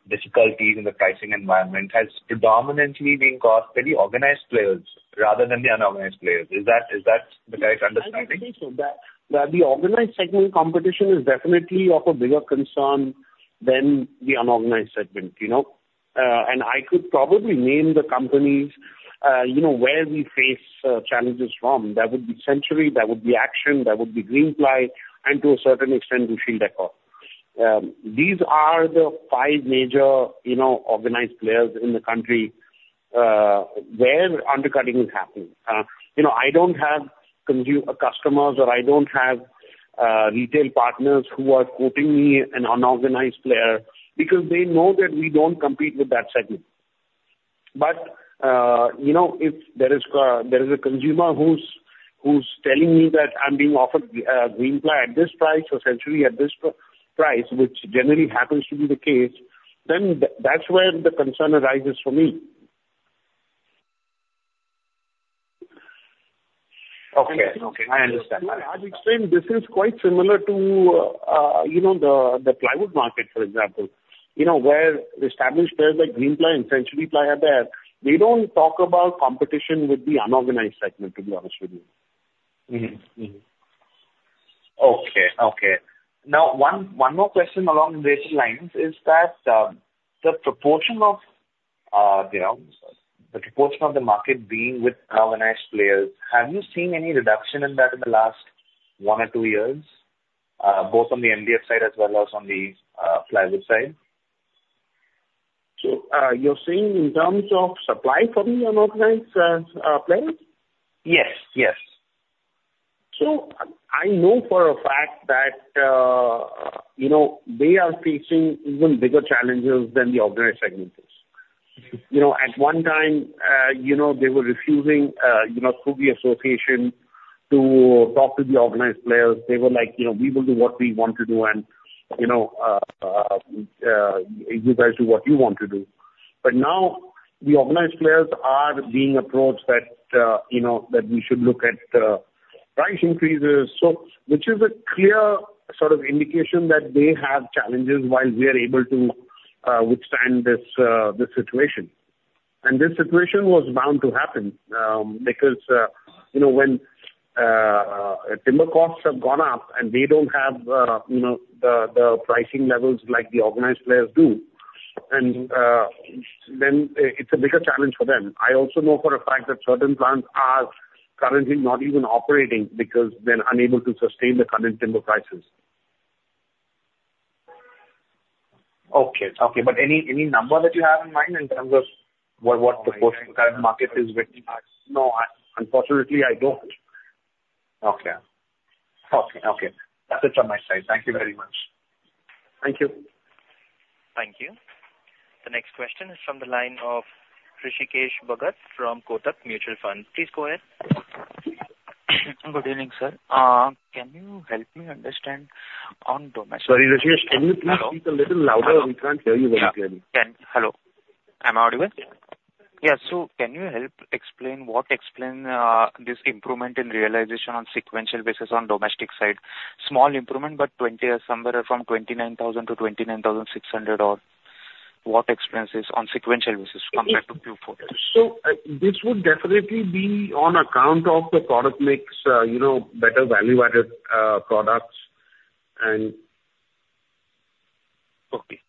difficulties in the pricing environment has predominantly been caused by the organized players rather than the unorganized players. Is that the correct understanding? I think so. The organized segment competition is definitely of a bigger concern than the unorganized segment, and I could probably name the companies where we face challenges from. That would be Century. That would be Action. That would be Greenply. And to a certain extent, Rushil Decor. These are the 5 major organized players in the country where undercutting is happening. I don't have customers, or I don't have retail partners who are quoting me an unorganized player because they know that we don't compete with that segment, but if there is a consumer who's telling me that I'm being offered Greenply at this price or Century at this price, which generally happens to be the case, then that's where the concern arises for me. Okay. Okay. I understand. I would say this is quite similar to the plywood market, for example, where the established players like Greenply and Century have their, they don't talk about competition with the unorganized segment, to be honest with you. Okay. Now, one more question along these lines is that the proportion of the market being with organized players, have you seen any reduction in that in the last 1 or 2 years, both on the MDF side as well as on the plywood side? So you're saying in terms of supply for the unorganized players? Yes. Yes. I know for a fact that they are facing even bigger challenges than the organized segment is. At one time, they were refusing through the association to talk to the organized players. They were like, "We will do what we want to do, and you guys do what you want to do." But now the organized players are being approached that we should look at price increases, which is a clear sort of indication that they have challenges while we are able to withstand this situation. And this situation was bound to happen because when timber costs have gone up and they don't have the pricing levels like the organized players do, then it's a bigger challenge for them. I also know for a fact that certain plants are currently not even operating because they're unable to sustain the current timber prices. Okay but any number that you have in mind in terms of what the current market is with? No. Unfortunately, I don't. Okay. That's it from my side. Thank you very much. Thank you. Thank you. The next question is from the line of Hrishikesh Bhagat from Kotak Mutual Funds. Please go ahead. Good evening, sir. Can you help me understand on domestic? Sorry, Hrishikesh. Can you please speak a little louder? We can't hear you very clearly. Hello. I'm audible? Yeah. So can you help explain what explains this improvement in realization on sequential basis on domestic side? Small improvement, but somewhere from 29,000-29,600 or what? Expenses on sequential basis compared to Q4? This would definitely be on account of the product mix, better value-added products. Okay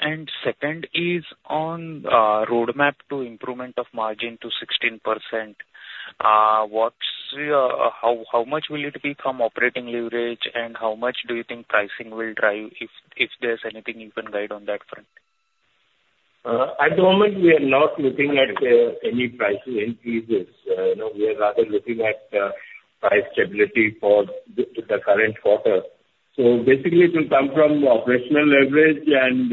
and second is on roadmap to improvement of margin to 16%. How much will it become operating leverage, and how much do you think pricing will drive if there's anything you can guide on that front? At the moment, we are not looking at any price increases. We are rather looking at price stability for the current quarter. So basically, it will come from operational leverage and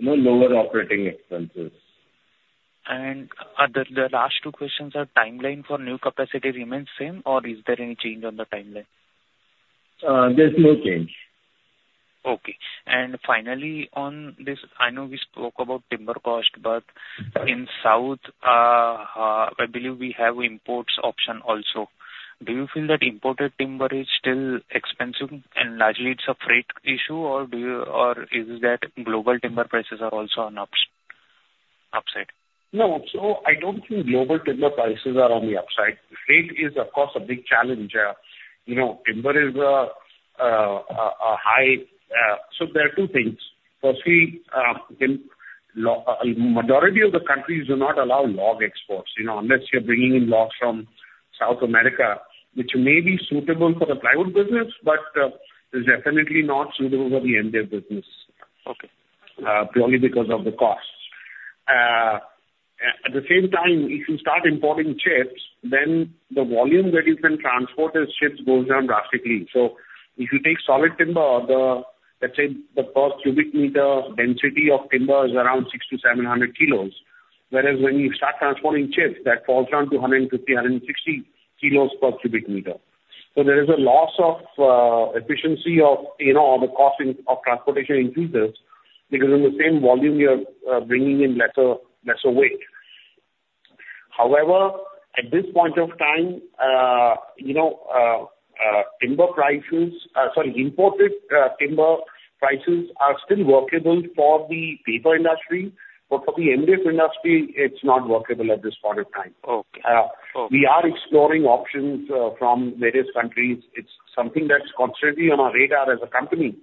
lower operating expenses. The last 2 questions are, timeline for new capacity remains same, or is there any change on the timeline? There's no change. Okaynd finally, on this, I know we spoke about timber cost, but in South, I believe we have imports option also. Do you feel that imported timber is still expensive, and largely it's a freight issue, or is that global timber prices are also on upside? No. So I don't think global timber prices are on the upside. Freight is, of course, a big challenge. Timber is a high. So there are 2 things. Firstly, the majority of the countries do not allow log exports unless you're bringing in logs from South America, which may be suitable for the plywood business, but it's definitely not suitable for the MDF business purely because of the cost. At the same time, if you start importing chips, then the volume that you can transport as chips goes down drastically. So if you take solid timber, let's say the per cubic meter density of timber is around 600-700 kilos, whereas when you start transporting chips, that falls down to 150-160 kilos per cubic meter. So there is a loss of efficiency of the cost of transportation increases because in the same volume, you're bringing in lesser weight. However, at this point of time, timber prices, sorry, imported timber prices, are still workable for the paper industry, but for the MDF industry, it's not workable at this point of time. We are exploring options from various countries. It's something that's constantly on our radar as a company.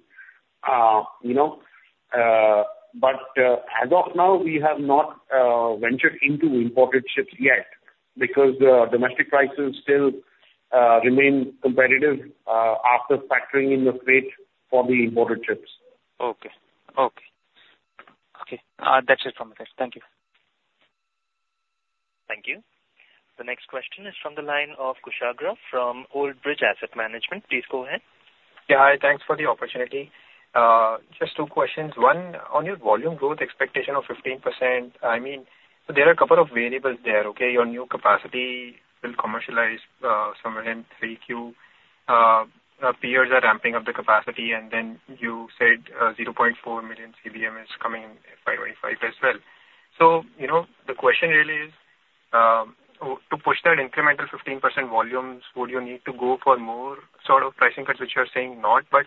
But as of now, we have not ventured into imported chips yet because domestic prices still remain competitive after factoring in the freight for the imported chips. Okay. That's it from my side. Thank you. Thank you. The next question is from the line of Kushagra from Old Bridge Asset Management. Please go ahead. Yeah. Hi. Thanks for the opportunity. Just 2 questions. One, on your volume growth expectation of 15%, I mean, so there are a couple of variables there, okay? Your new capacity will commercialize somewhere in 3Q. Peers are ramping up the capacity, and then you said 0.4 million CBM is coming in FY25 as well. So the question really is, to push that incremental 15% volumes, would you need to go for more sort of pricing cuts, which you're saying not? But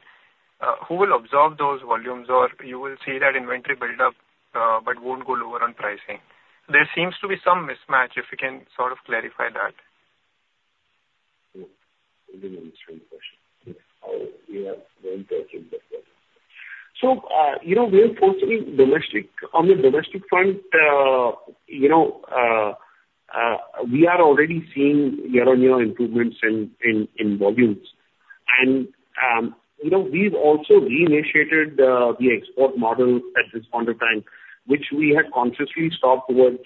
who will absorb those volumes, or you will see that inventory buildup but won't go lower on pricing? There seems to be some mismatch. If you can sort of clarify that. We're fortunately domestic. On the domestic front, we are already seeing year-on-year improvements in volumes. We've also reinitiated the export model at this point of time, which we had consciously stopped towards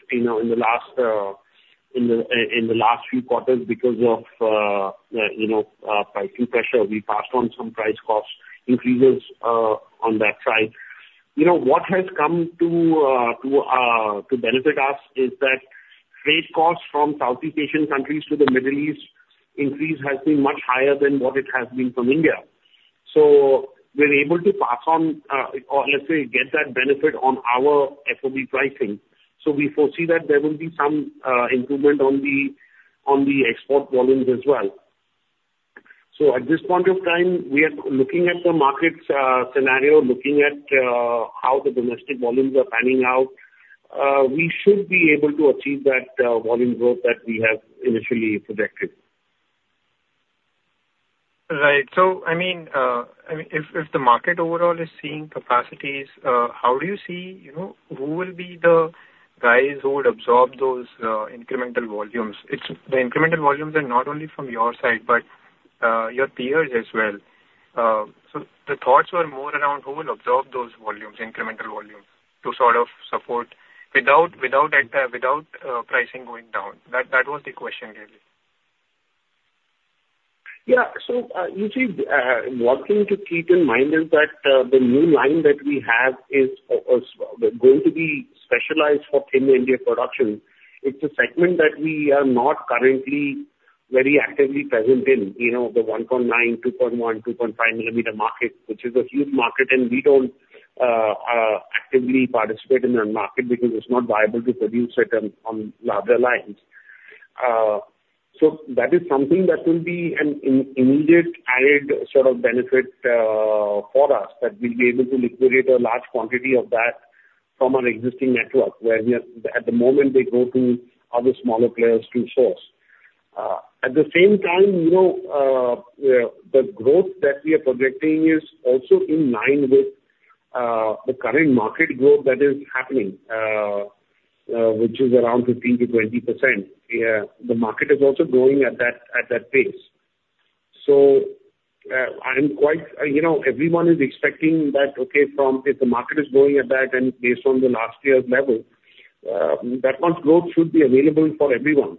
in the last few quarters because of pricing pressure. We passed on some price cost increases on that side. What has come to benefit us is that freight costs from Southeast Asian countries to the Middle East increase has been much higher than what it has been from India. We're able to pass on, or let's say, get that benefit on our FOB pricing. We foresee that there will be some improvement on the export volumes as well. At this point of time, we are looking at the market scenario, looking at how the domestic volumes are panning out. We should be able to achieve that volume growth that we have initially projected. Right. So I mean, if the market overall is seeing capacities, how do you see who will be the guys who will absorb those incremental volumes? The incremental volumes are not only from your side, but your peers as well. So the thoughts were more around who will absorb those incremental volumes to sort of support without pricing going down. That was the question really. Yeah. So you see, one thing to keep in mind is that the new line that we have is going to be specialized for thin MDF production. It's a segment that we are not currently very actively present in, the 1.9 millimeter, 2.1 millimeter, 2.5 millimeter market, which is a huge market, and we don't actively participate in that market because it's not viable to produce it on larger lines. So that is something that will be an immediate added sort of benefit for us that we'll be able to liquidate a large quantity of that from our existing network, where at the moment, they go to other smaller players to source. At the same time, the growth that we are projecting is also in line with the current market growth that is happening, which is around 15%-20%. The market is also growing at that pace. Everyone is expecting that, okay, if the market is growing at that and based on the last year's level, that much growth should be available for everyone.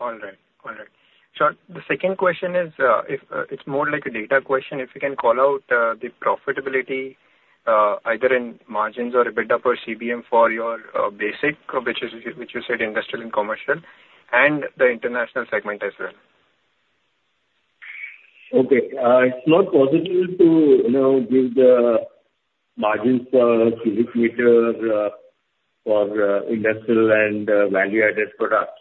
All right. All right, so the second question is, it's more like a data question. If you can call out the profitability, either in margins or EBITDA per CBM for your basic, which you said industrial and commercial, and the international segment as well. Okay. It's not possible to give the margins per cubic meter for industrial and value-added products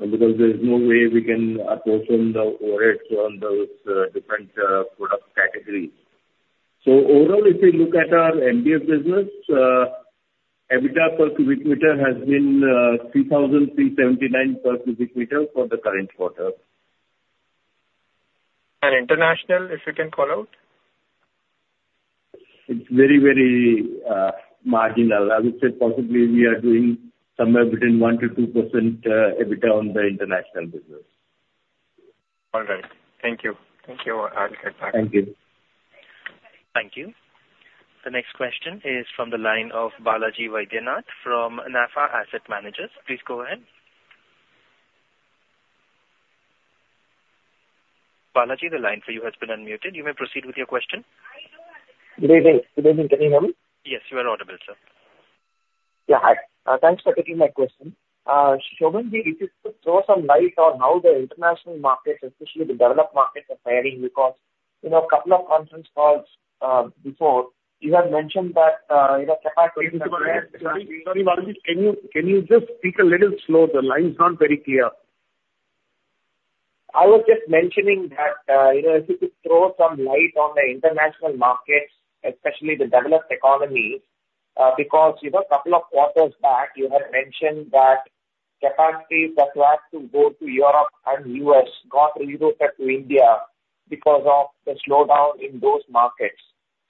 because there's no way we can apportion the OpEx on those different product categories. So overall, if you look at our MDF business, EBITDA per cubic meter has been 3,379 per cubic meter for the current quarter. International, if you can call out? It's very, very marginal. I would say possibly we are doing somewhere between 1% to 2% EBITDA on the international business. All right. Thank you. Thank you. I'll get back. Thank you. Thank you. The next question is from the line of Balaji Vaidyanath from NAFA Asset Managers. Please go ahead. Balaji, the line for you has been unmuted. You may proceed with your question. Good evening. Good evening. Can you hear me? Yes. You are audible, sir. Yeah. Hi. Thanks for taking my question. Shobhan, if you could throw some light on how the international markets, especially the developed markets, are faring because a couple of conference calls before, you had mentioned that capacity is. Sorry, Balaji. Can you just speak a little slower? The line's not very clear. I was just mentioning that if you could throw some light on the international markets, especially the developed economies, because a couple of quarters back, you had mentioned that capacities that were to go to Europe and US got relocated to India because of the slowdown in those markets.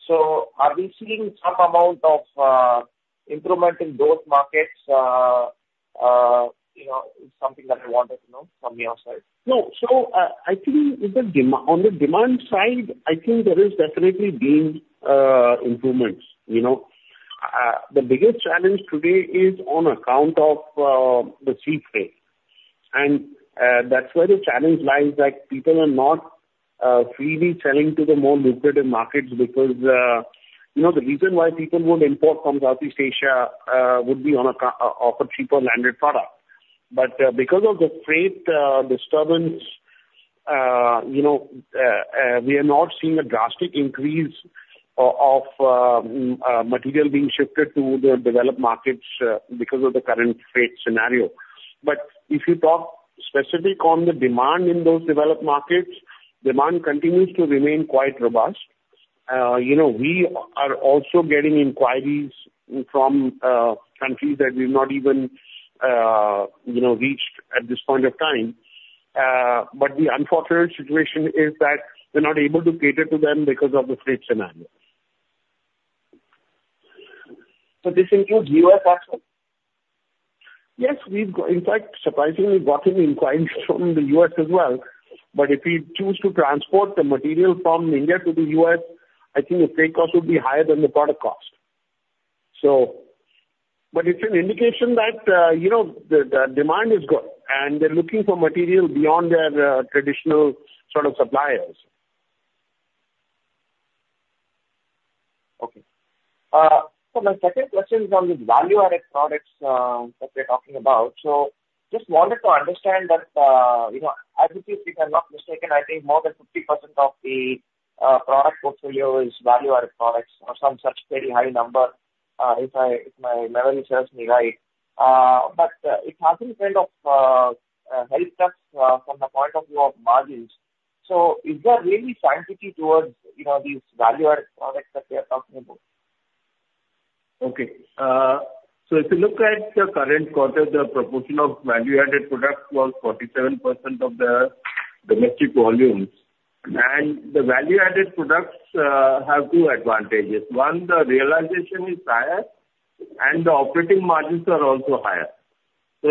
So are we seeing some amount of improvement in those markets? It's something that I wanted to know from your side. No. So I think on the demand side, I think there has definitely been improvements. The biggest challenge today is on account of the sea trade. That's where the challenge lies that people are not freely selling to the more lucrative markets because the reason why people would import from Southeast Asia would be on a cheaper landed product. But because of the freight disturbance, we are not seeing a drastic increase of material being shifted to the developed markets because of the current freight scenario. But if you talk specifically on the demand in those developed markets, demand continues to remain quite robust. We are also getting inquiries from countries that we've not even reached at this point of time. But the unfortunate situation is that we're not able to cater to them because of the freight scenario. So this includes U.S. as well? Yes. In fact, surprisingly, we've gotten inquiries from the U.S. as well. But if we choose to transport the material from India to the U.S., I think the freight cost would be higher than the product cost. But it's an indication that the demand is good, and they're looking for material beyond their traditional sort of suppliers. Okay. So my second question is on the value-added products that we're talking about. So just wanted to understand that, if I'm not mistaken, I think more than 50% of the product portfolio is value-added products or some such very high number, if my memory serves me right. But it hasn't kind of helped us from the point of view of margins. So is there really sanctity towards these value-added products that we are talking about? Okay. So if you look at the current quarter, the proportion of value-added products was 47% of the domestic volumes and the value-added products have 2 advantages. One, the realization is higher, and the operating margins are also higher. So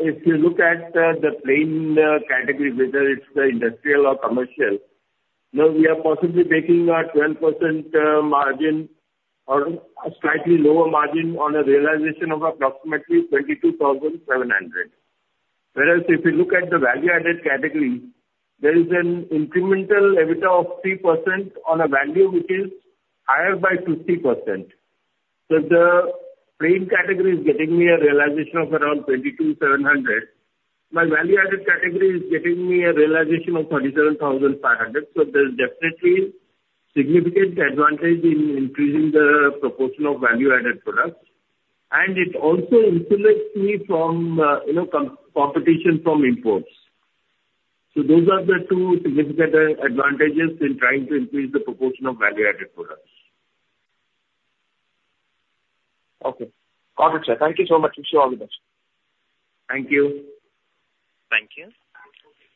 if you look at the plain category, whether it's industrial or commercial, we are possibly making a 12% margin or a slightly lower margin on a realization of approximately 22,700. Whereas if you look at the value-added category, there is an incremental EBITDA of 3% on a value which is higher by 50%. So the plain category is getting me a realization of around 22,700. My value-added category is getting me a realization of 37,500. So there's definitely significant advantage in increasing the proportion of value-added products. And it also insulates me from competition from imports. So those are the 2 significant advantages in trying to increase the proportion of value-added products. Okay. All right. Thank you so much. Wish you all the best. Thank you. Thank you.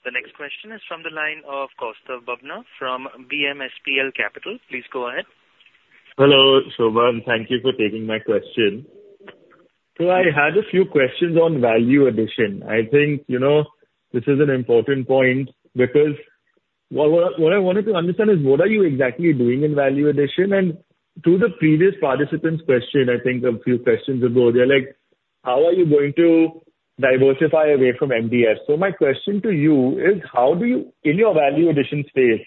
The next question is from the line of Kaustav Bubna from BMSPL Capital. Please go ahead. Hello, Shobhan. Thank you for taking my question. So I had a few questions on value addition. I think this is an important point because what I wanted to understand is, what are you exactly doing in value addition? And to the previous participant's question, I think a few questions ago, they're like, "How are you going to diversify away from MDF?" So my question to you is, in your value addition space,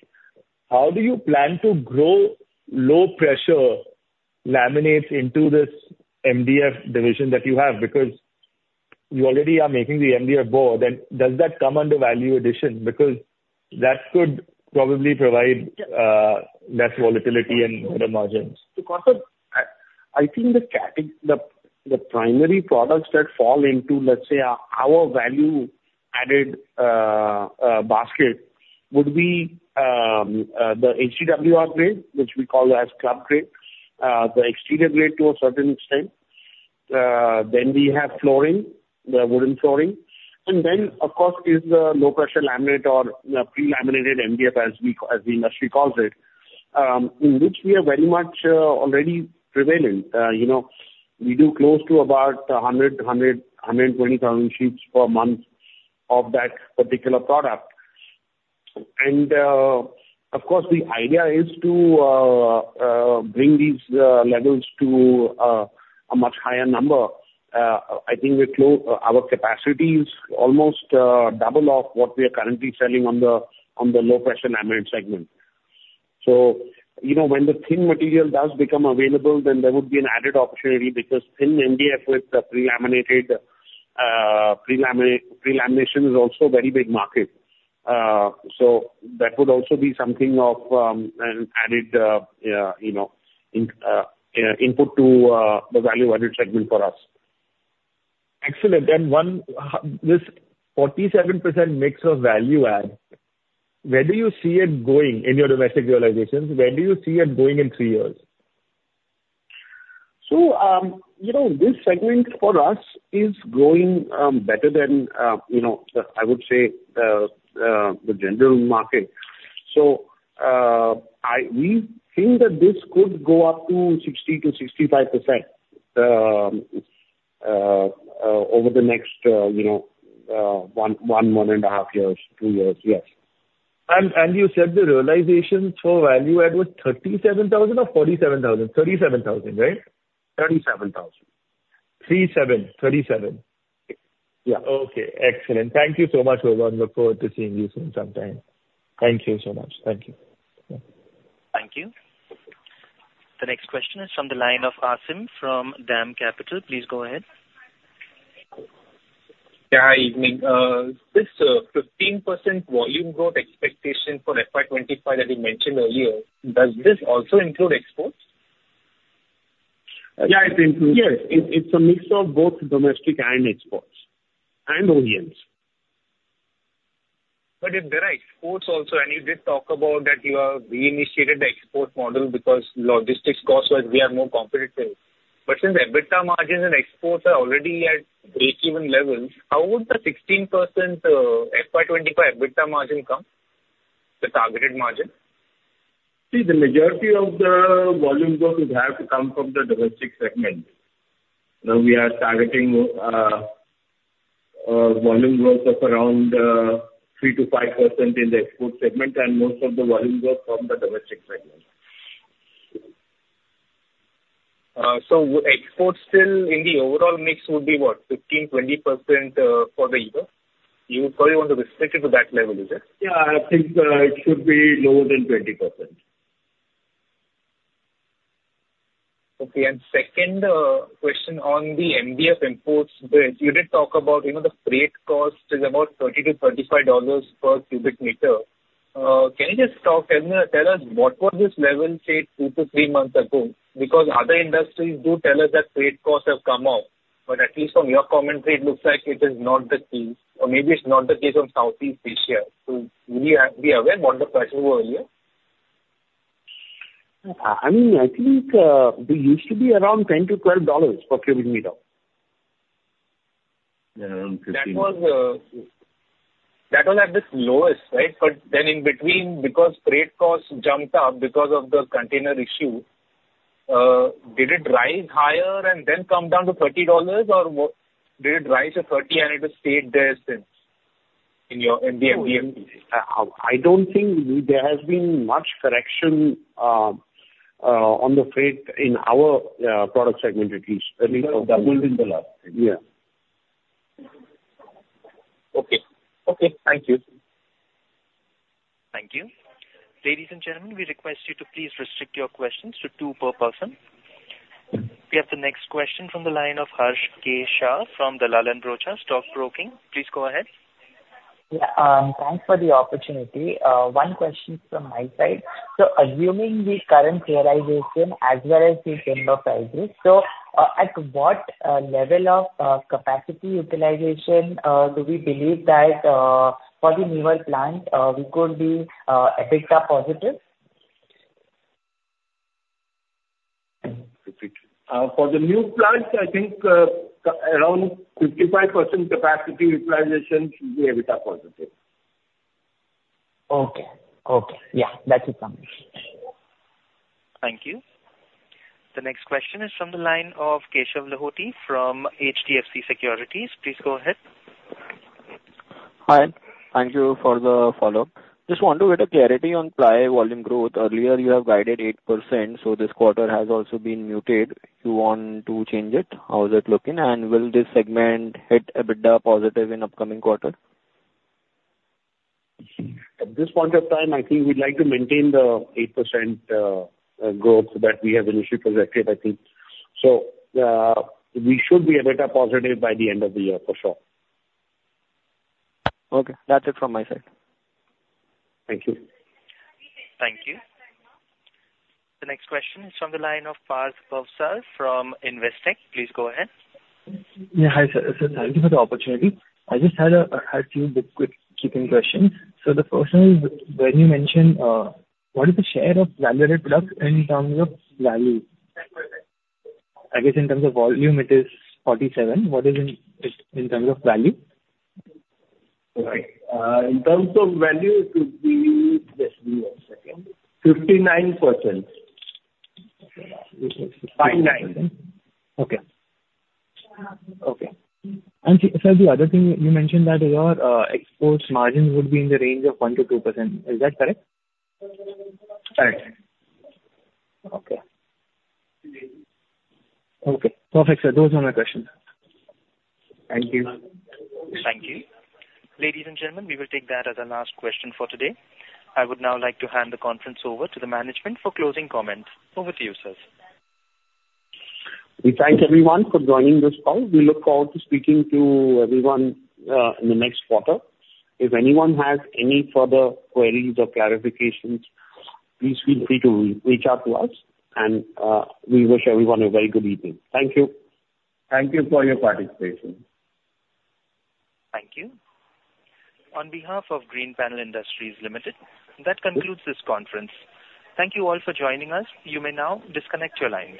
how do you plan to grow low-pressure laminates into this MDF division that you have? Because you already are making the MDF board, and does that come under value addition? Because that could probably provide less volatility and better margins. I think the primary products that fall into, let's say, our value-added basket would be the HDWR grade, which we call as Club Grade, the exterior grade to a certain extent. Then we have flooring, the wooden flooring. And then, of course, is the low-pressure laminate or pre-laminated MDF, as the industry calls it, in which we are very much already prevalent. We do close to about 100,000, 100,000, 120,000 sheets per month of that particular product. And of course, the idea is to bring these levels to a much higher number. I think our capacity is almost double of what we are currently selling on the low-pressure laminate segment. So when the thin material does become available, then there would be an added opportunity because thin MDF with the pre-laminated pre-lamination is also a very big market. So that would also be something of an added input to the value-added segment for us. Excellent. And this 47% mix of value add, where do you see it going in your domestic realizations? Where do you see it going in 3 years? So this segment for us is growing better than, I would say, the general market. So we think that this could go up to 60%-65% over the next one, one and a half years, 2 years. Yes. You said the realizations for value add was 37,000 or 47,000? 37,000, right? 37,000. 37, 37. Yeah. Okay. Excellent. Thank you so much, Shobhan. Look forward to seeing you soon sometime. Thank you so much. Thank you. Thank you. The next question is from the line of Aasim from DAM Capital. Please go ahead. Yeah. Hi, evening. This 15% volume growth expectation for FY25 that you mentioned earlier, does this also include exports? Yeah, it includes. Yes. It's a mix of both domestic and exports and OEMs. But if there are exports also, and you did talk about that you have reinitiated the export model because logistics costs were more competitive. But since EBITDA margins and exports are already at break-even levels, how would the 16% FY25 EBITDA margin come, the targeted margin? See, the majority of the volume growth would have to come from the domestic segment. We are targeting volume growth of around 3%-5% in the export segment, and most of the volume growth from the domestic segment. So exports still in the overall mix would be what, 15%-20% for the year? You probably want to restrict it to that level, is it? Yeah. I think it should be lower than 20%. Okay and second question on the MDF imports, you did talk about the freight cost is about $30-$35 per cubic meter. Can you just tell us what was this level say 2-3 months ago? Because other industries do tell us that freight costs have come up. But at least from your commentary, it looks like it is not the case. Or maybe it's not the case of Southeast Asia. So we are aware of what the pressure was earlier. I mean, I think we used to be around $10-$12 per cubic meter. That was at the lowest, right? But then in between, because freight costs jumped up because of the container issue, did it rise higher and then come down to $30, or did it rise to $30 and it has stayed there since in the MDF? I don't think there has been much correction on the freight in our product segment, at least. At least doubled in the last year. Yeah. Okay. Okay. Thank you. Thank you. Ladies and gentlemen, we request you to please restrict your questions to two per person. We have the next question from the line of Harsh K. Shah from Dalal & Broacha Stock Broking. Please go ahead. Yeah. Thanks for the opportunity. One question from my side. So assuming the current realization as well as the timber prices, so at what level of capacity utilization do we believe that for the newer plant we could be EBITDA positive? For the new plants, I think around 55% capacity utilization should be EBITDA positive. Okay. Okay. Yeah. That's it from me. Thank you. The next question is from the line of Keshav Lahoti from HDFC Securities. Please go ahead. Hi. Thank you for the follow-up. Just want to get a clarity on ply volume growth. Earlier, you have guided 8%, so this quarter has also been muted. You want to change it? How is it looking? And will this segment hit EBITDA positive in upcoming quarter? At this point of time, I think we'd like to maintain the 8% growth that we have initially projected, I think. So we should be EBITDA positive by the end of the year for sure. Okay. That's it from my side. Thank you. Thank you. The next question is from the line of Parth Bhavsar from Investec. Please go ahead. Yeah. Hi, sir. So thank you for the opportunity. I just had a few bookkeeping questions. So the first one is when you mentioned what is the share of value-added product in terms of value? I guess in terms of volume, it is 47. What is it in terms of value? Right. In terms of value, it would be, just give me one second, 59%. Okay and sir, the other thing you mentioned that your exports margin would be in the range of 1%-2%. Is that correct? Correct. Okay. Okay. Perfect, sir. Those are my questions. Thank you. Thank you. Ladies and gentlemen, we will take that as a last question for today. I would now like to hand the conference over to the management for closing comments. Over to you, sir. We thank everyone for joining this call. We look forward to speaking to everyone in the next quarter. If anyone has any further queries or clarifications, please feel free to reach out to us, and we wish everyone a very good evening. Thank you. Thank you for your participation. Thank you. On behalf of Greenpanel Industries Limited, that concludes this conference. Thank you all for joining us. You may now disconnect your lines.